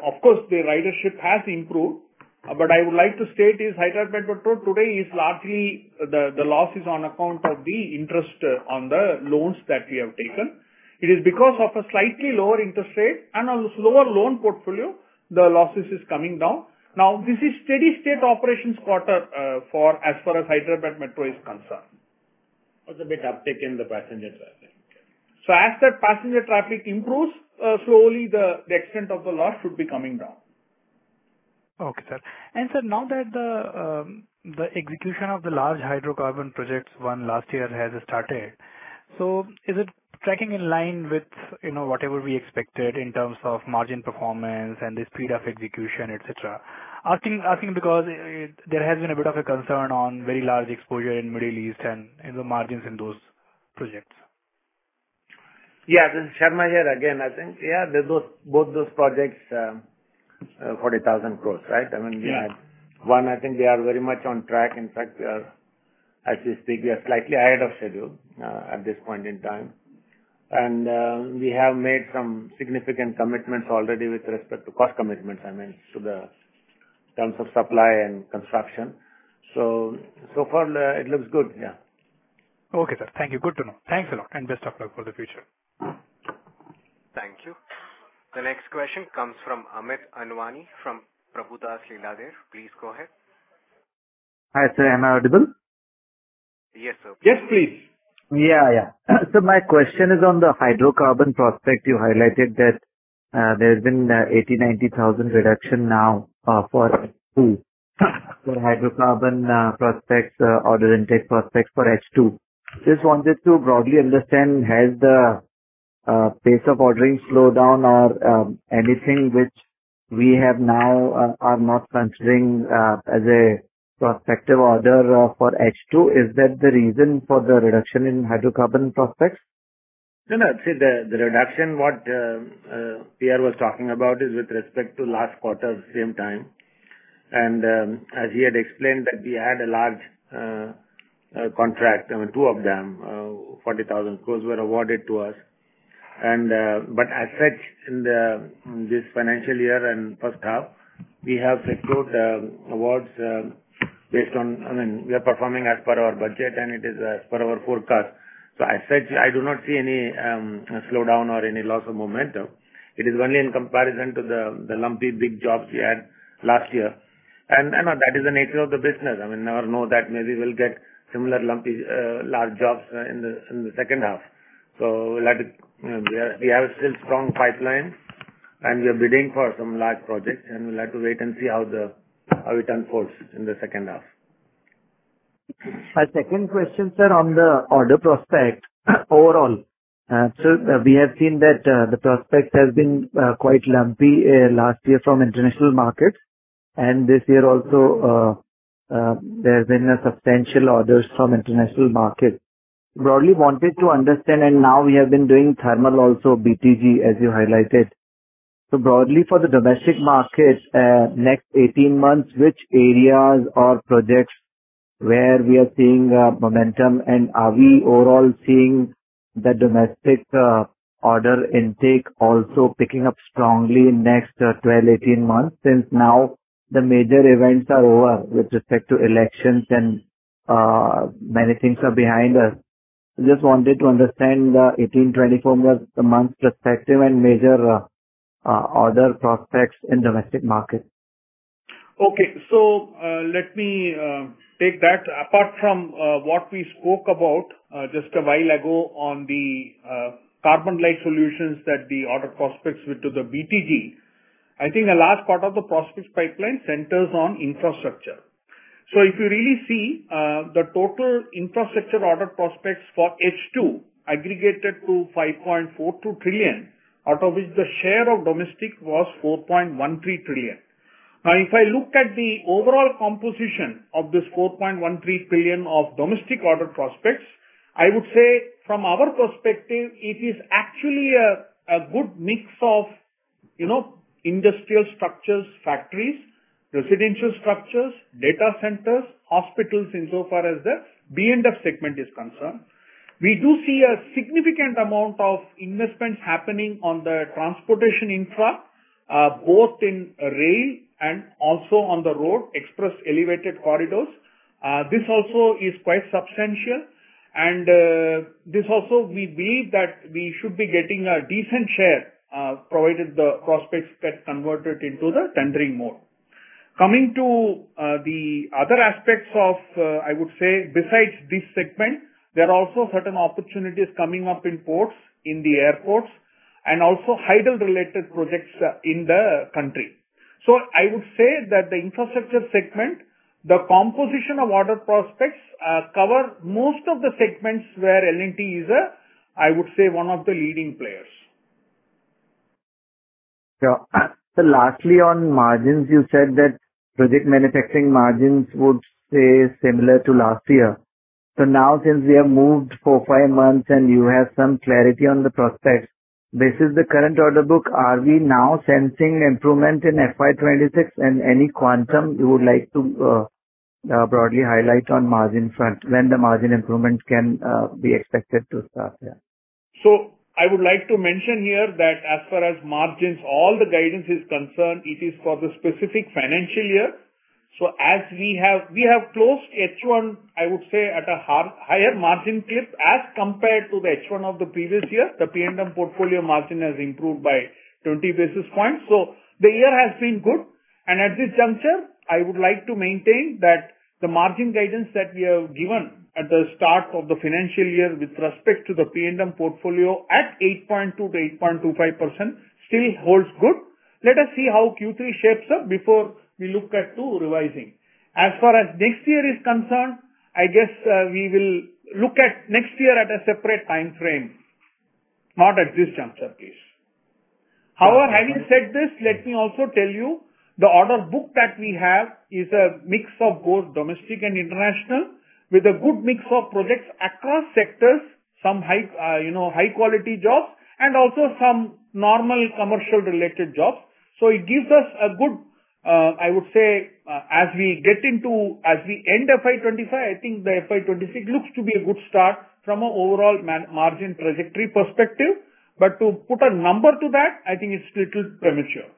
Speaker 2: of course, the ridership has improved, but I would like to state is Hyderabad Metro today is largely the loss is on account of the interest on the loans that we have taken. It is because of a slightly lower interest rate and a slower loan portfolio, the losses is coming down. Now, this is steady state operations quarter as far as Hyderabad Metro is concerned.
Speaker 5: There's a bit of uptake in the passenger traffic.
Speaker 2: As that passenger traffic improves slowly, the extent of the loss should be coming down.
Speaker 5: Okay, sir, and sir, now that the execution of the large hydrocarbon projects won last year has started, so is it tracking in line with whatever we expected in terms of margin performance and the speed of execution, etc.? Asking because there has been a bit of a concern on very large exposure in the Middle East and the margins in those projects.
Speaker 4: Yeah, Sarma here. Again, I think, yeah, both those projects, 40,000 crores, right? I mean, one, I think we are very much on track. In fact, as we speak, we are slightly ahead of schedule at this point in time, and we have made some significant commitments already with respect to cost commitments. I mean, to the terms of supply and construction. So far, it looks good, yeah.
Speaker 5: Okay, sir. Thank you. Good to know. Thanks a lot and best of luck for the future.
Speaker 1: Thank you. The next question comes from Amit Anwani from Prabhudas Lilladher. Please go ahead.
Speaker 6: Hi, sir. Am I audible?
Speaker 2: Yes, sir. Yes, please.
Speaker 6: Yeah, yeah. So my question is on the hydrocarbon prospect. You highlighted that there has been 80,000, 90,000 reduction now for hydrocarbon prospects, order intake prospects for H2. Just wanted to broadly understand, has the pace of ordering slowed down or anything which we have now are not considering as a prospective order for H2? Is that the reason for the reduction in hydrocarbon prospects?
Speaker 4: No, no. See, the reduction what PR was talking about is with respect to last quarter same time. And as he had explained that we had a large contract, two of them, 40,000 crores were awarded to us. But as such, in this financial year and first half, we have secured awards based on, I mean, we are performing as per our budget and it is as per our forecast. So as such, I do not see any slowdown or any loss of momentum. It is only in comparison to the lumpy big jobs we had last year. And that is the nature of the business. I mean, never know that maybe we'll get similar lumpy large jobs in the second half. So we have still strong pipeline and we are bidding for some large projects and we'll have to wait and see how it unfolds in the second half.
Speaker 6: My second question, sir, on the order prospect overall. So we have seen that the prospect has been quite lumpy last year from international markets. And this year also, there have been substantial orders from international markets. Broadly wanted to understand, and now we have been doing thermal also BTG as you highlighted. So, broadly for the domestic market, next 18 months, which areas or projects where we are seeing momentum and are we overall seeing the domestic order intake also picking up strongly in next 12, 18 months since now the major events are over with respect to elections and many things are behind us? Just wanted to understand the 18, 24 months perspective and major order prospects in domestic markets.
Speaker 2: Okay. So let me take that. Apart from what we spoke about just a while ago on the CarbonLite Solutions that the order prospects with the BTG, I think the last part of the prospect pipeline centers on infrastructure. So if you really see the total infrastructure order prospects for H2 aggregated to 5.42 trillion, out of which the share of domestic was 4.13 trillion. Now, if I look at the overall composition of this 4.13 trillion of domestic order prospects, I would say from our perspective, it is actually a good mix of industrial structures, factories, residential structures, data centers, hospitals insofar as the B&F segment is concerned. We do see a significant amount of investments happening on the transportation infra, both in rail and also on the road, express elevated corridors. This also is quite substantial. And this also, we believe that we should be getting a decent share provided the prospects get converted into the tendering mode. Coming to the other aspects of, I would say, besides this segment, there are also certain opportunities coming up in ports, in the airports, and also hydro related projects in the country. So I would say that the infrastructure segment, the composition of order prospects cover most of the segments where L&T is a, I would say, one of the leading players.
Speaker 6: Yeah. Lastly, on margins, you said that project manufacturing margins would stay similar to last year. So now since we have moved for five months and you have some clarity on the prospects, this is the current order book. Are we now sensing improvement in FY26 and any quantum you would like to broadly highlight on margin front when the margin improvement can be expected to start here?
Speaker 2: So I would like to mention here that as far as margins, all the guidance is concerned, it is for the specific financial year. So as we have closed H1, I would say, at a higher margin clip as compared to the H1 of the previous year, the P&M portfolio margin has improved by 20 basis points. So the year has been good. And at this juncture, I would like to maintain that the margin guidance that we have given at the start of the financial year with respect to the P&M portfolio at 8.2%-8.25% still holds good. Let us see how Q3 shapes up before we look at revising. As far as next year is concerned, I guess we will look at next year at a separate time frame, not at this juncture, please. However, having said this, let me also tell you the order book that we have is a mix of both domestic and international with a good mix of projects across sectors, some high-quality jobs, and also some normal commercial-related jobs, so it gives us a good, I would say, as we end FY25, I think the FY26 looks to be a good start from an overall margin trajectory perspective, but to put a number to that, I think it's a little premature.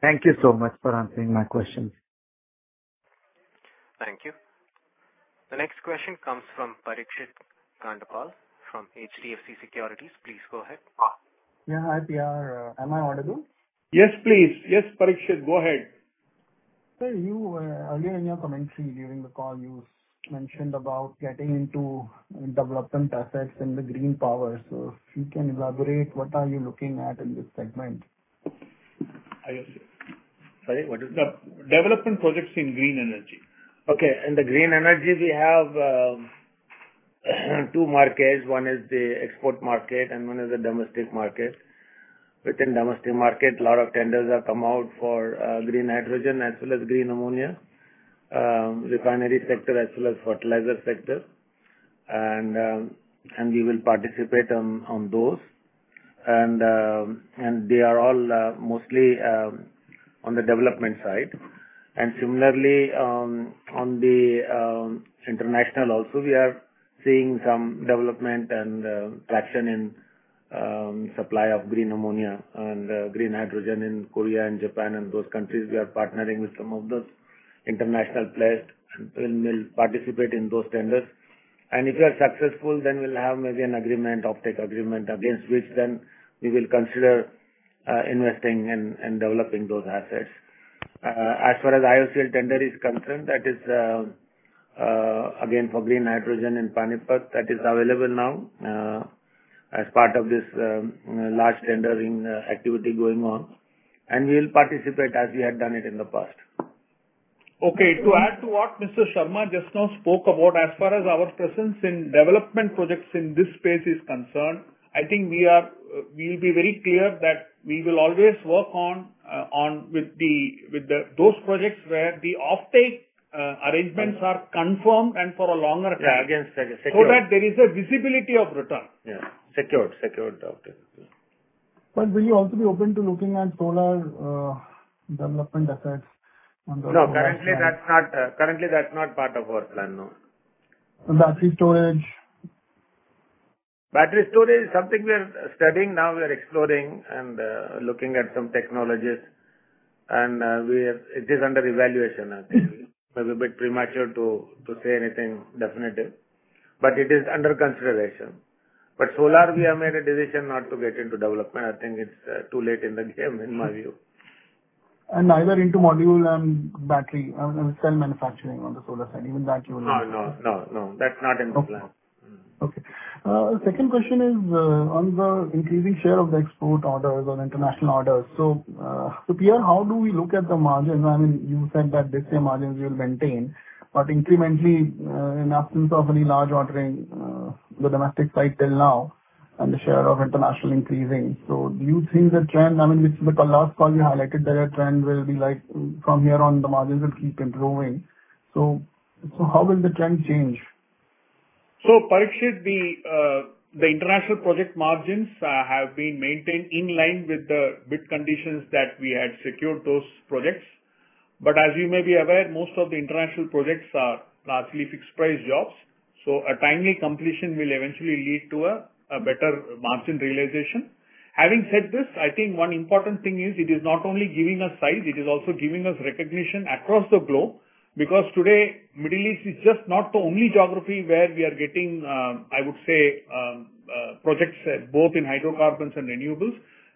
Speaker 6: Thank you so much for answering my question.
Speaker 1: Thank you. The next question comes from Parikshit Kandpal from HDFC Securities. Please go ahead.
Speaker 7: Yeah, hi, PR. Am I audible?
Speaker 2: Yes, please. Yes, Parikshit, go ahead.
Speaker 7: Sir, earlier in your commentary during the call, you mentioned about getting into development assets and the green power. So if you can elaborate, what are you looking at in this segment? Sorry? What is the development projects in green energy?
Speaker 4: Okay. In the green energy, we have two markets. One is the export market and one is the domestic market. Within domestic market, a lot of tenders have come out for green hydrogen as well as green ammonia, refinery sector as well as fertilizer sector. And we will participate on those. And they are all mostly on the development side. And similarly, on the international also, we are seeing some development and traction in supply of green ammonia and green hydrogen in Korea and Japan. And those countries, we are partnering with some of those international players and will participate in those tenders. And if we are successful, then we'll have maybe an agreement, offtake agreement against which then we will consider investing and developing those assets. As far as IOCL tender is concerned, that is again for green hydrogen in Panipat, that is available now as part of this large tendering activity going on, and we'll participate as we had done it in the past.
Speaker 2: Okay. To add to what Mr. Sarma just now spoke about, as far as our presence in development projects in this space is concerned, I think we'll be very clear that we will always work on with those projects where the EPC arrangements are confirmed and for a longer time.
Speaker 4: Yeah, against the security.
Speaker 2: So that there is a visibility of return.
Speaker 4: Yeah. Secured, secured.
Speaker 7: But will you also be open to looking at solar development assets on the?
Speaker 4: No, currently that's not part of our plan, no.
Speaker 7: Battery storage?
Speaker 4: Battery storage is something we are studying. Now we are exploring and looking at some technologies, and it is under evaluation. I think it may be a bit premature to say anything definitive, but it is under consideration, but solar, we have made a decision not to get into development. I think it's too late in the game, in my view.
Speaker 7: Neither into module and battery cell manufacturing on the solar side, even that you will not?
Speaker 4: No, no, no. That's not in the plan.
Speaker 7: Okay. Second question is on the increasing share of the export orders or international orders. So PR, how do we look at the margin? I mean, you said that this year margins will maintain, but incrementally in absence of any large ordering, the domestic side till now and the share of international increasing. So do you think the trend, I mean, with the last call you highlighted, that a trend will be like from here on the margins will keep improving? So how will the trend change?
Speaker 2: Parikshit, the international project margins have been maintained in line with the bid conditions that we had secured those projects. But as you may be aware, most of the international projects are largely fixed price jobs. So a timely completion will eventually lead to a better margin realization. Having said this, I think one important thing is it is not only giving us size, it is also giving us recognition across the globe because today, Middle East is just not the only geography where we are getting, I would say, projects both in hydrocarbons and renewables.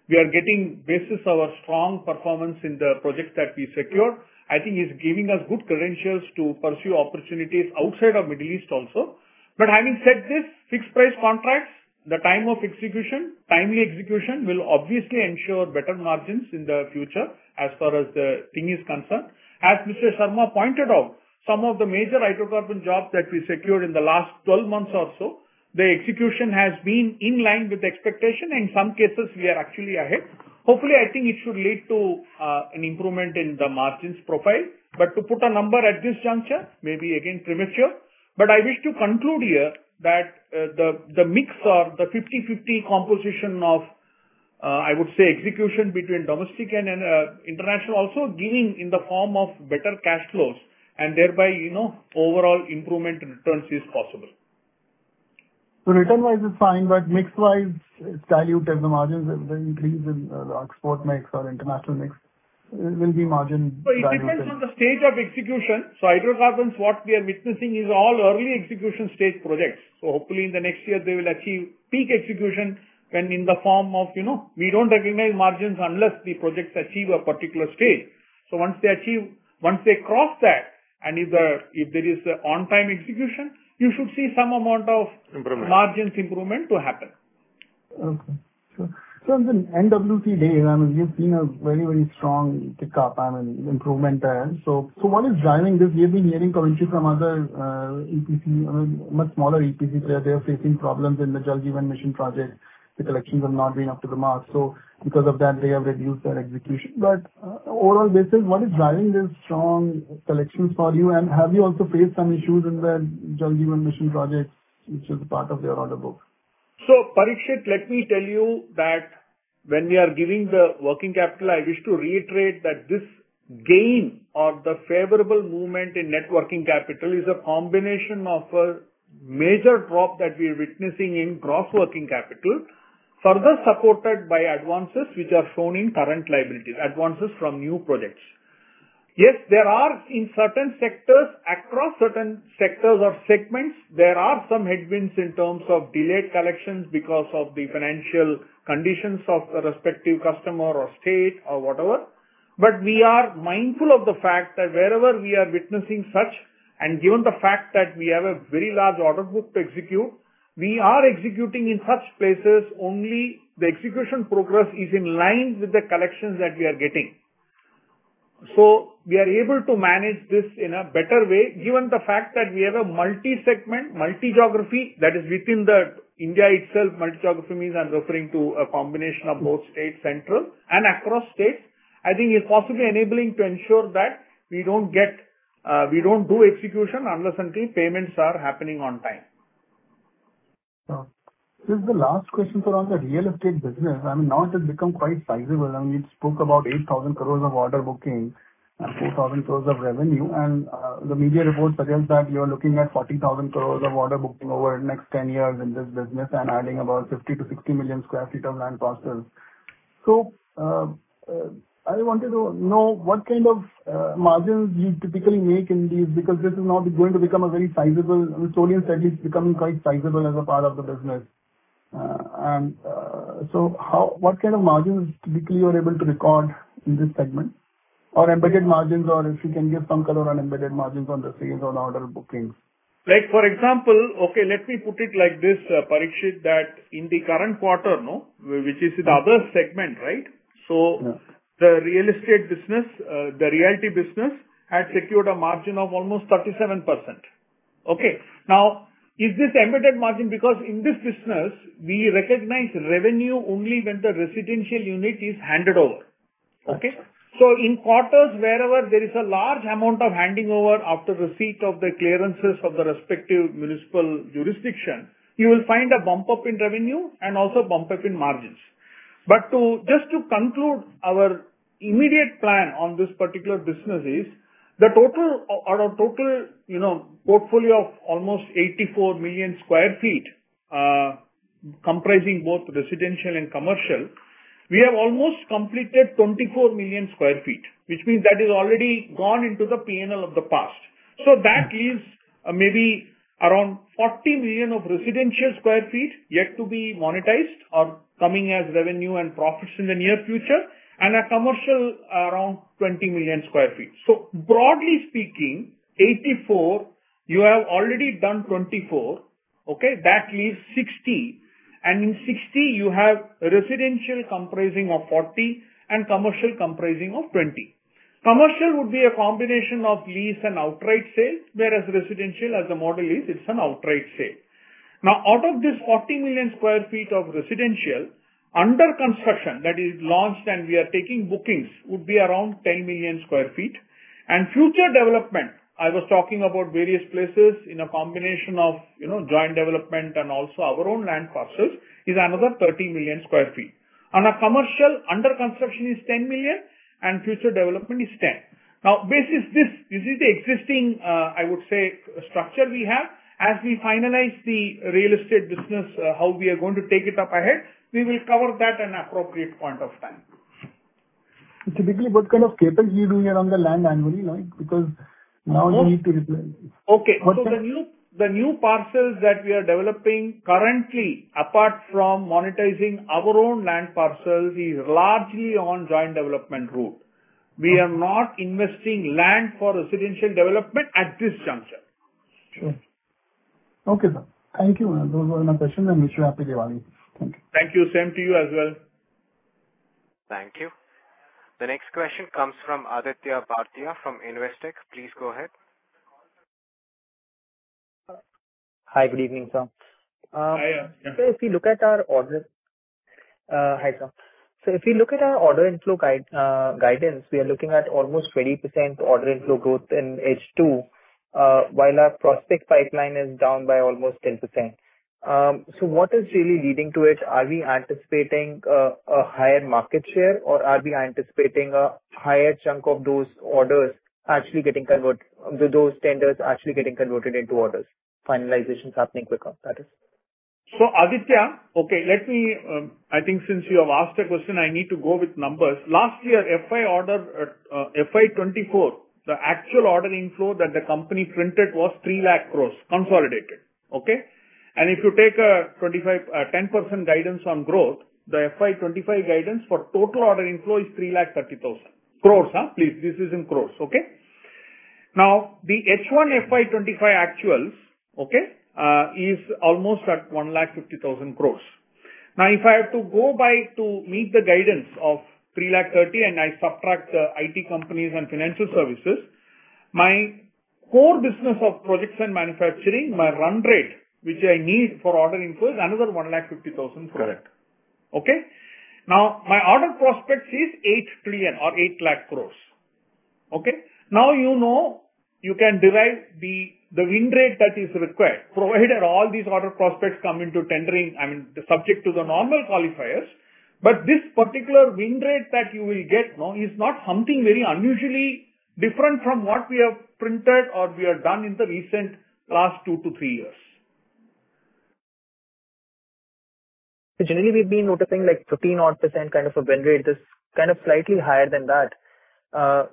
Speaker 2: We are getting on the basis of a strong performance in the projects that we secured. I think it's giving us good credentials to pursue opportunities outside of Middle East also. But having said this, fixed price contracts, the time of execution, timely execution will obviously ensure better margins in the future as far as the thing is concerned. As Mr. Sarma pointed out, some of the major hydrocarbon jobs that we secured in the last 12 months or so, the execution has been in line with expectation. In some cases, we are actually ahead. Hopefully, I think it should lead to an improvement in the margins profile. But to put a number at this juncture, maybe again premature. But I wish to conclude here that the mix or the 50/50 composition of, I would say, execution between domestic and international also giving in the form of better cash flows and thereby overall improvement returns is possible.
Speaker 7: So return-wise is fine, but mix-wise, it's dilute as the margins increase in the export mix or international mix. It will be margin higher.
Speaker 2: So it depends on the stage of execution. So hydrocarbons, what we are witnessing is all early execution stage projects. So hopefully in the next year, they will achieve peak execution when in the form of we don't recognize margins unless the projects achieve a particular stage. So once they cross that and if there is on-time execution, you should see some amount of margins improvement to happen.
Speaker 7: Okay. So on the NWC side, I mean, we have seen a very, very strong pickup, I mean, improvement there. So what is driving this? We have been hearing commentary from other EPC, I mean, much smaller EPCs where they are facing problems in the Jal Jeevan Mission project. The collections have not been up to the mark. So because of that, they have reduced their execution. But overall basis, what is driving these strong collections for you? And have you also faced some issues in the Jal Jeevan Mission projects, which is part of the order book?
Speaker 2: Parikshit, let me tell you that when we are giving the working capital, I wish to reiterate that this gain or the favorable movement in net working capital is a combination of a major drop that we are witnessing in gross working capital, further supported by advances which are shown in current liabilities, advances from new projects. Yes, there are in certain sectors, across certain sectors or segments, there are some headwinds in terms of delayed collections because of the financial conditions of the respective customer or state or whatever. But we are mindful of the fact that wherever we are witnessing such and given the fact that we have a very large order book to execute, we are executing in such places only the execution progress is in line with the collections that we are getting. So we are able to manage this in a better way, given the fact that we have a multi-segment, multi-geography that is within the India itself. Multi-geography means I'm referring to a combination of both state, central, and across states. I think it's possibly enabling to ensure that we don't do execution unless until payments are happening on time.
Speaker 7: So the last question is around the real estate business. I mean, now it has become quite sizable. I mean, you spoke about 8,000 crores of order booking and 4,000 crores of revenue. And the media reports suggest that you are looking at 40,000 crores of order booking over the next 10 years in this business and adding about 50-60 million sq ft of land parcels. So I wanted to know what kind of margins you typically make in these because this is now going to become a very sizable, and Solstice at least becoming quite sizable as a part of the business. And so what kind of margins typically you are able to record in this segment? Or embedded margins, or if you can give some color on embedded margins on the sales or the order bookings?
Speaker 2: For example, okay, let me put it like this, Parikshit, that in the current quarter, which is the other segment, right? So the real estate business, the realty business, had secured a margin of almost 37%. Okay. Now, is this embedded margin? Because in this business, we recognize revenue only when the residential unit is handed over. Okay? So in quarters wherever there is a large amount of handing over after receipt of the clearances of the respective municipal jurisdiction, you will find a bump up in revenue and also bump up in margins. But just to conclude our immediate plan on this particular business is the total portfolio of almost 84 million sq ft, comprising both residential and commercial, we have almost completed 24 million sq ft, which means that is already gone into the P&L of the past. That leaves maybe around 40 million sq ft of residential yet to be monetized or coming as revenue and profits in the near future, and commercial around 20 million sq ft. Broadly speaking, 84, you have already done 24. Okay? That leaves 60. In 60, you have residential comprising of 40 and commercial comprising of 20. Commercial would be a combination of lease and outright sale, whereas residential, as the model is, it's an outright sale. Now, out of this 40 million sq ft of residential under construction that is launched and we are taking bookings would be around 10 million sq ft. Future development, I was talking about various places in a combination of joint development and also our own land parcels, is another 30 million sq ft. On commercial, under construction is 10 million, and future development is 10. Now, basis this, this is the existing, I would say, structure we have. As we finalize the real estate business, how we are going to take it up ahead, we will cover that in an appropriate point of time.
Speaker 7: Typically, what kind of capability do you do here on the land annually? Because now you need to.
Speaker 2: Okay. So the new parcels that we are developing currently, apart from monetizing our own land parcels, is largely on joint development route. We are not investing land for residential development at this juncture.
Speaker 7: Sure. Okay, sir. Thank you. Those were my questions. I wish you a happy Diwali. Thank you.
Speaker 2: Thank you. Same to you as well.
Speaker 1: Thank you. The next question comes from Aditya Bhartiya from Investec. Please go ahead.
Speaker 8: Hi, good evening, sir.
Speaker 2: Hi, yeah.
Speaker 8: So if you look at our order inflow, sir. So if you look at our order inflow guidance, we are looking at almost 20% order inflow growth in H2, while our prospect pipeline is down by almost 10%. So what is really leading to it? Are we anticipating a higher market share, or are we anticipating a higher chunk of those orders actually getting converted, those tenders actually getting converted into orders? Finalization is happening quicker, that is.
Speaker 2: So Aditya, okay, let me I think since you have asked a question, I need to go with numbers. Last year, FY24 order FY24, the actual order inflow that the company printed was 3 lakh crores consolidated. Okay? And if you take a 10% guidance on growth, the FY25 guidance for total order inflow is 330,000 crores, please. This is in crores. Okay? Now, the H1 FY25 actuals, okay, is almost at 150,000 crores. Now, if I have to go by to meet the guidance of 330,000 and I subtract the IT companies and financial services, my core business of projects and manufacturing, my run rate, which I need for order inflow is another 150,000 crores.
Speaker 8: Correct.
Speaker 2: Okay? Now, my order prospect is 8 trillion or 8 lakh crores. Okay? Now, you know you can derive the win rate that is required, provided all these order prospects come into tendering, I mean, subject to the normal qualifiers. But this particular win rate that you will get now is not something very unusually different from what we have printed or we have done in the recent last two to three years.
Speaker 8: So generally, we've been noticing like 15-odd% kind of a win rate. This is kind of slightly higher than that,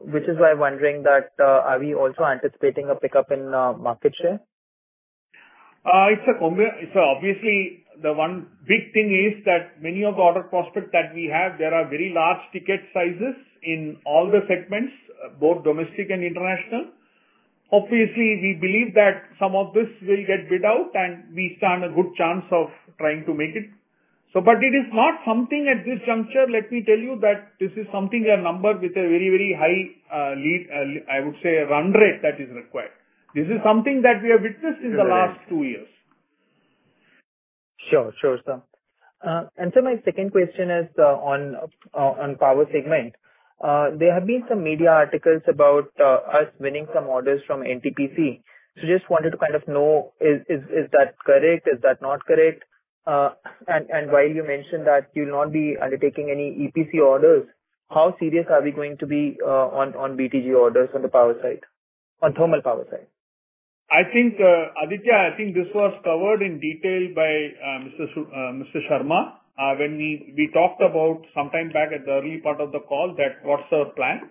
Speaker 8: which is why I'm wondering that are we also anticipating a pickup in market share?
Speaker 2: It's obviously the one big thing is that many of the order prospects that we have, there are very large ticket sizes in all the segments, both domestic and international. Obviously, we believe that some of this will get bid out, and we stand a good chance of trying to make it. But it is not something at this juncture, let me tell you, that this is something a number with a very, very high, I would say, run rate that is required. This is something that we have witnessed in the last two years.
Speaker 8: Sure, sure, sir. And so my second question is on power segment. There have been some media articles about us winning some orders from NTPC. So just wanted to kind of know, is that correct? Is that not correct? And while you mentioned that you'll not be undertaking any EPC orders, how serious are we going to be on BTG orders on the power side, on thermal power side?
Speaker 2: Aditya, I think this was covered in detail by Mr. Sarma when we talked about sometime back at the early part of the call that what's our plan.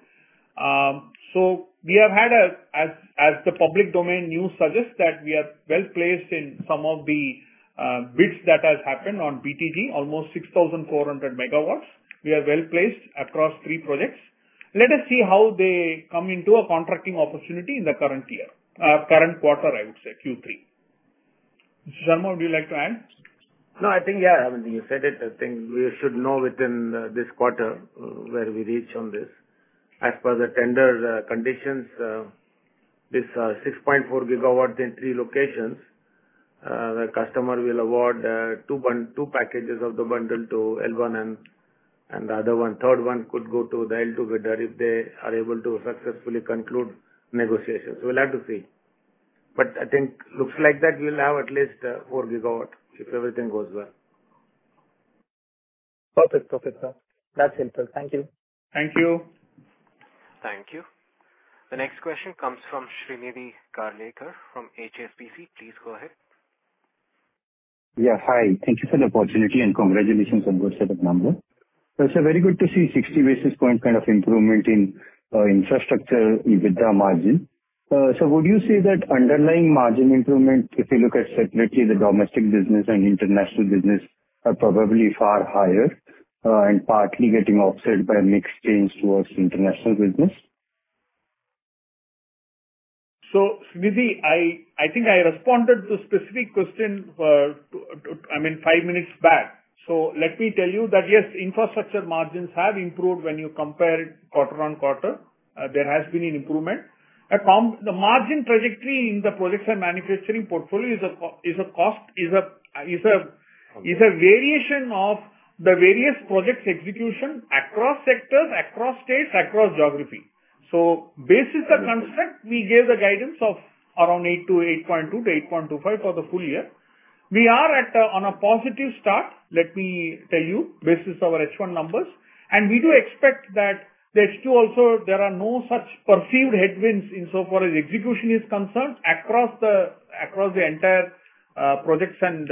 Speaker 2: So we have had, as the public domain news suggests, that we are well placed in some of the bids that have happened on BTG, almost 6,400 megawatts. We are well placed across three projects. Let us see how they come into a contracting opportunity in the current year, current quarter, I would say, Q3. Mr. Sarma, would you like to add?
Speaker 4: No, I think, yeah, I mean, you said it. I think we should know within this quarter where we reach on this. As per the tender conditions, this 6.4 gigawatts in three locations, the customer will award two packages of the bundle to L1, and the other one, third one could go to the L2 bidder if they are able to successfully conclude negotiations. We'll have to see. But I think it looks like that we'll have at least 4 gigawatts if everything goes well.
Speaker 8: Perfect, perfect, sir. That's helpful. Thank you.
Speaker 2: Thank you.
Speaker 1: Thank you. The next question comes from Srinivas Rao from HSBC. Please go ahead.
Speaker 9: Yes, hi. Thank you for the opportunity and congratulations on your set of numbers. So it's very good to see 60 basis points kind of improvement in infrastructure with the margin. So would you say that underlying margin improvement, if you look at separately the domestic business and international business, are probably far higher and partly getting offset by mixed gains towards international business?
Speaker 2: Srinivas, I think I responded to a specific question, I mean, five minutes back. Let me tell you that, yes, infrastructure margins have improved when you compare quarter on quarter. There has been an improvement. The margin trajectory in the projects and manufacturing portfolio is a variation of the various projects execution across sectors, across states, across geography. Basis the construct, we gave the guidance of around 8.2%-8.25% for the full year. We are on a positive start, let me tell you, basis our H1 numbers. We do expect that the H2 also, there are no such perceived headwinds insofar as execution is concerned across the entire projects and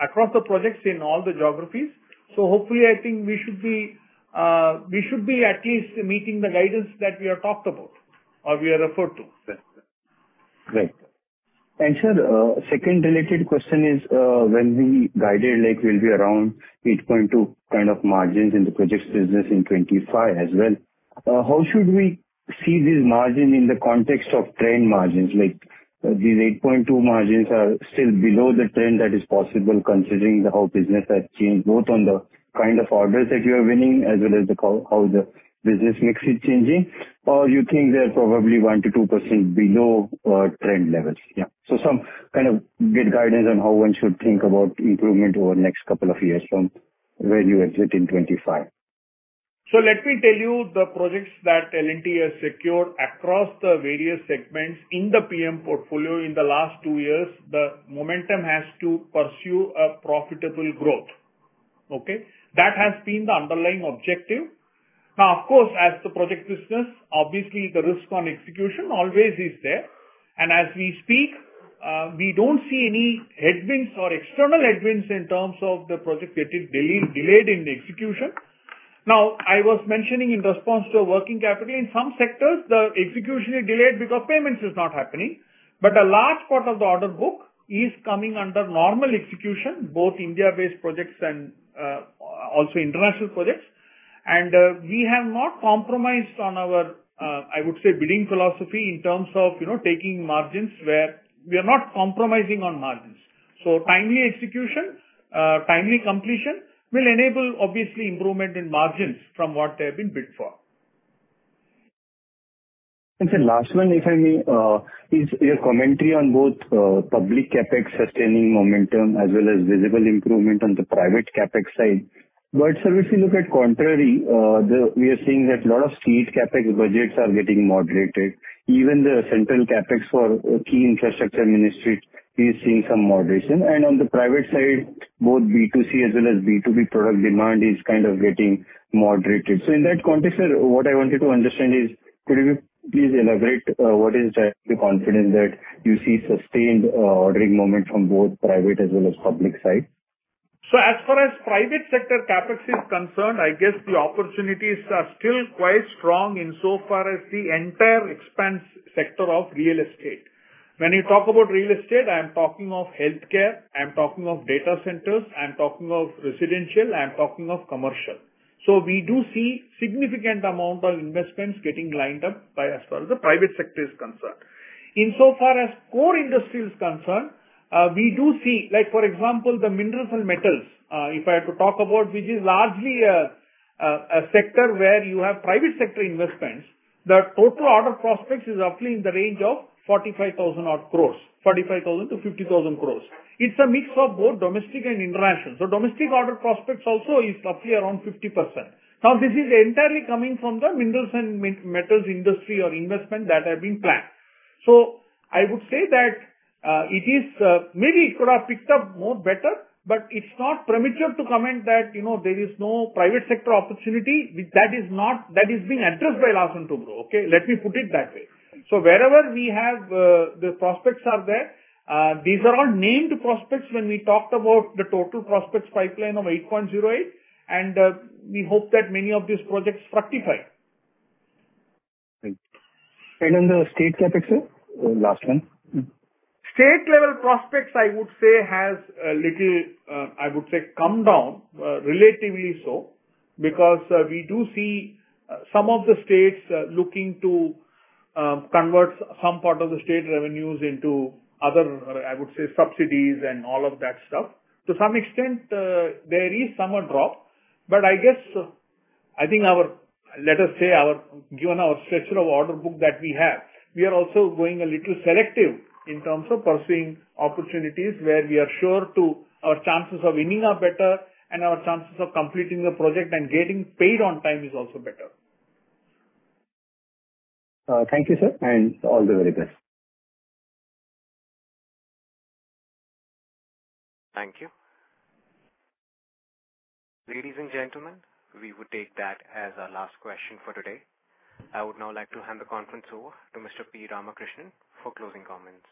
Speaker 2: across the projects in all the geographies. Hopefully, I think we should be at least meeting the guidance that we have talked about or we have referred to.
Speaker 9: Great. And sir, second related question is when the guidance like will be around 8.2 kind of margins in the projects business in 25 as well, how should we see these margins in the context of trend margins? These 8.2 margins are still below the trend that is possible considering how business has changed both on the kind of orders that you are winning as well as how the business mix is changing? Or you think they're probably 1%-2% below trend levels? Yeah. So some kind of good guidance on how one should think about improvement over the next couple of years from where you exit in 25.
Speaker 2: So let me tell you the projects that L&T has secured across the various segments in the P&M portfolio in the last two years. The momentum has to pursue a profitable growth. Okay? That has been the underlying objective. Now, of course, as the project business, obviously, the risk on execution always is there. And as we speak, we don't see any headwinds or external headwinds in terms of the project getting delayed in the execution. Now, I was mentioning in response to working capital in some sectors, the execution is delayed because payments are not happening. But a large part of the order book is coming under normal execution, both India-based projects and also international projects. And we have not compromised on our, I would say, bidding philosophy in terms of taking margins where we are not compromising on margins. So timely execution, timely completion will enable, obviously, improvement in margins from what they have been bid for.
Speaker 9: Sir, last one, if I may, is your commentary on both public CapEx sustaining momentum as well as visible improvement on the private CapEx side. But sir, if you look to the contrary, we are seeing that a lot of key CapEx budgets are getting moderated. Even the central CapEx for key infrastructure ministry is seeing some moderation. On the private side, both B2C as well as B2B product demand is kind of getting moderated. In that context, sir, what I wanted to understand is, could you please elaborate what is the confidence that you see sustained ordering momentum from both private as well as public side?
Speaker 2: So as far as private sector CapEx is concerned, I guess the opportunities are still quite strong insofar as the entire infrastructure sector of real estate. When you talk about real estate, I am talking of healthcare. I am talking of data centers. I am talking of residential. I am talking of commercial. So we do see significant amount of investments getting lined up as far as the private sector is concerned. Insofar as core industries concerned, we do see, for example, the minerals and metals, if I have to talk about, which is largely a sector where you have private sector investments, the total order prospects is roughly in the range of 45,000-50,000 crores. It's a mix of both domestic and international. So domestic order prospects also is roughly around 50%. Now, this is entirely coming from the minerals and metals industry or investment that have been planned, so I would say that it is maybe it could have picked up more better, but it's not premature to comment that there is no private sector opportunity. That is being addressed by Larsen & Toubro. Okay? Let me put it that way, so wherever we have, the prospects are there. These are all named prospects when we talked about the total prospects pipeline of 8.08, and we hope that many of these projects fructify.
Speaker 9: On the state CapEx, sir, last one?
Speaker 2: State-level prospects, I would say, has a little, I would say, come down relatively so because we do see some of the states looking to convert some part of the state revenues into other, I would say, subsidies and all of that stuff. To some extent, there is some drop. But I guess, I think, let us say, given our structure of order book that we have, we are also going a little selective in terms of pursuing opportunities where we are sure our chances of winning are better and our chances of completing the project and getting paid on time is also better.
Speaker 9: Thank you, sir, and all the very best.
Speaker 1: Thank you. Ladies and gentlemen, we would take that as our last question for today. I would now like to hand the conference over to Mr. P. Ramakrishnan for closing comments.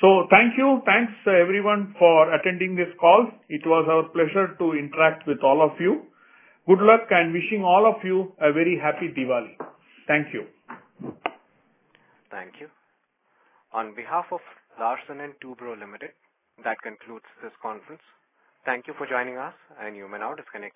Speaker 2: So thank you. Thanks, everyone, for attending this call. It was our pleasure to interact with all of you. Good luck and wishing all of you a very happy Diwali. Thank you.
Speaker 1: Thank you. On behalf of Larsen & Toubro Limited, that concludes this conference. Thank you for joining us, and you may now disconnect.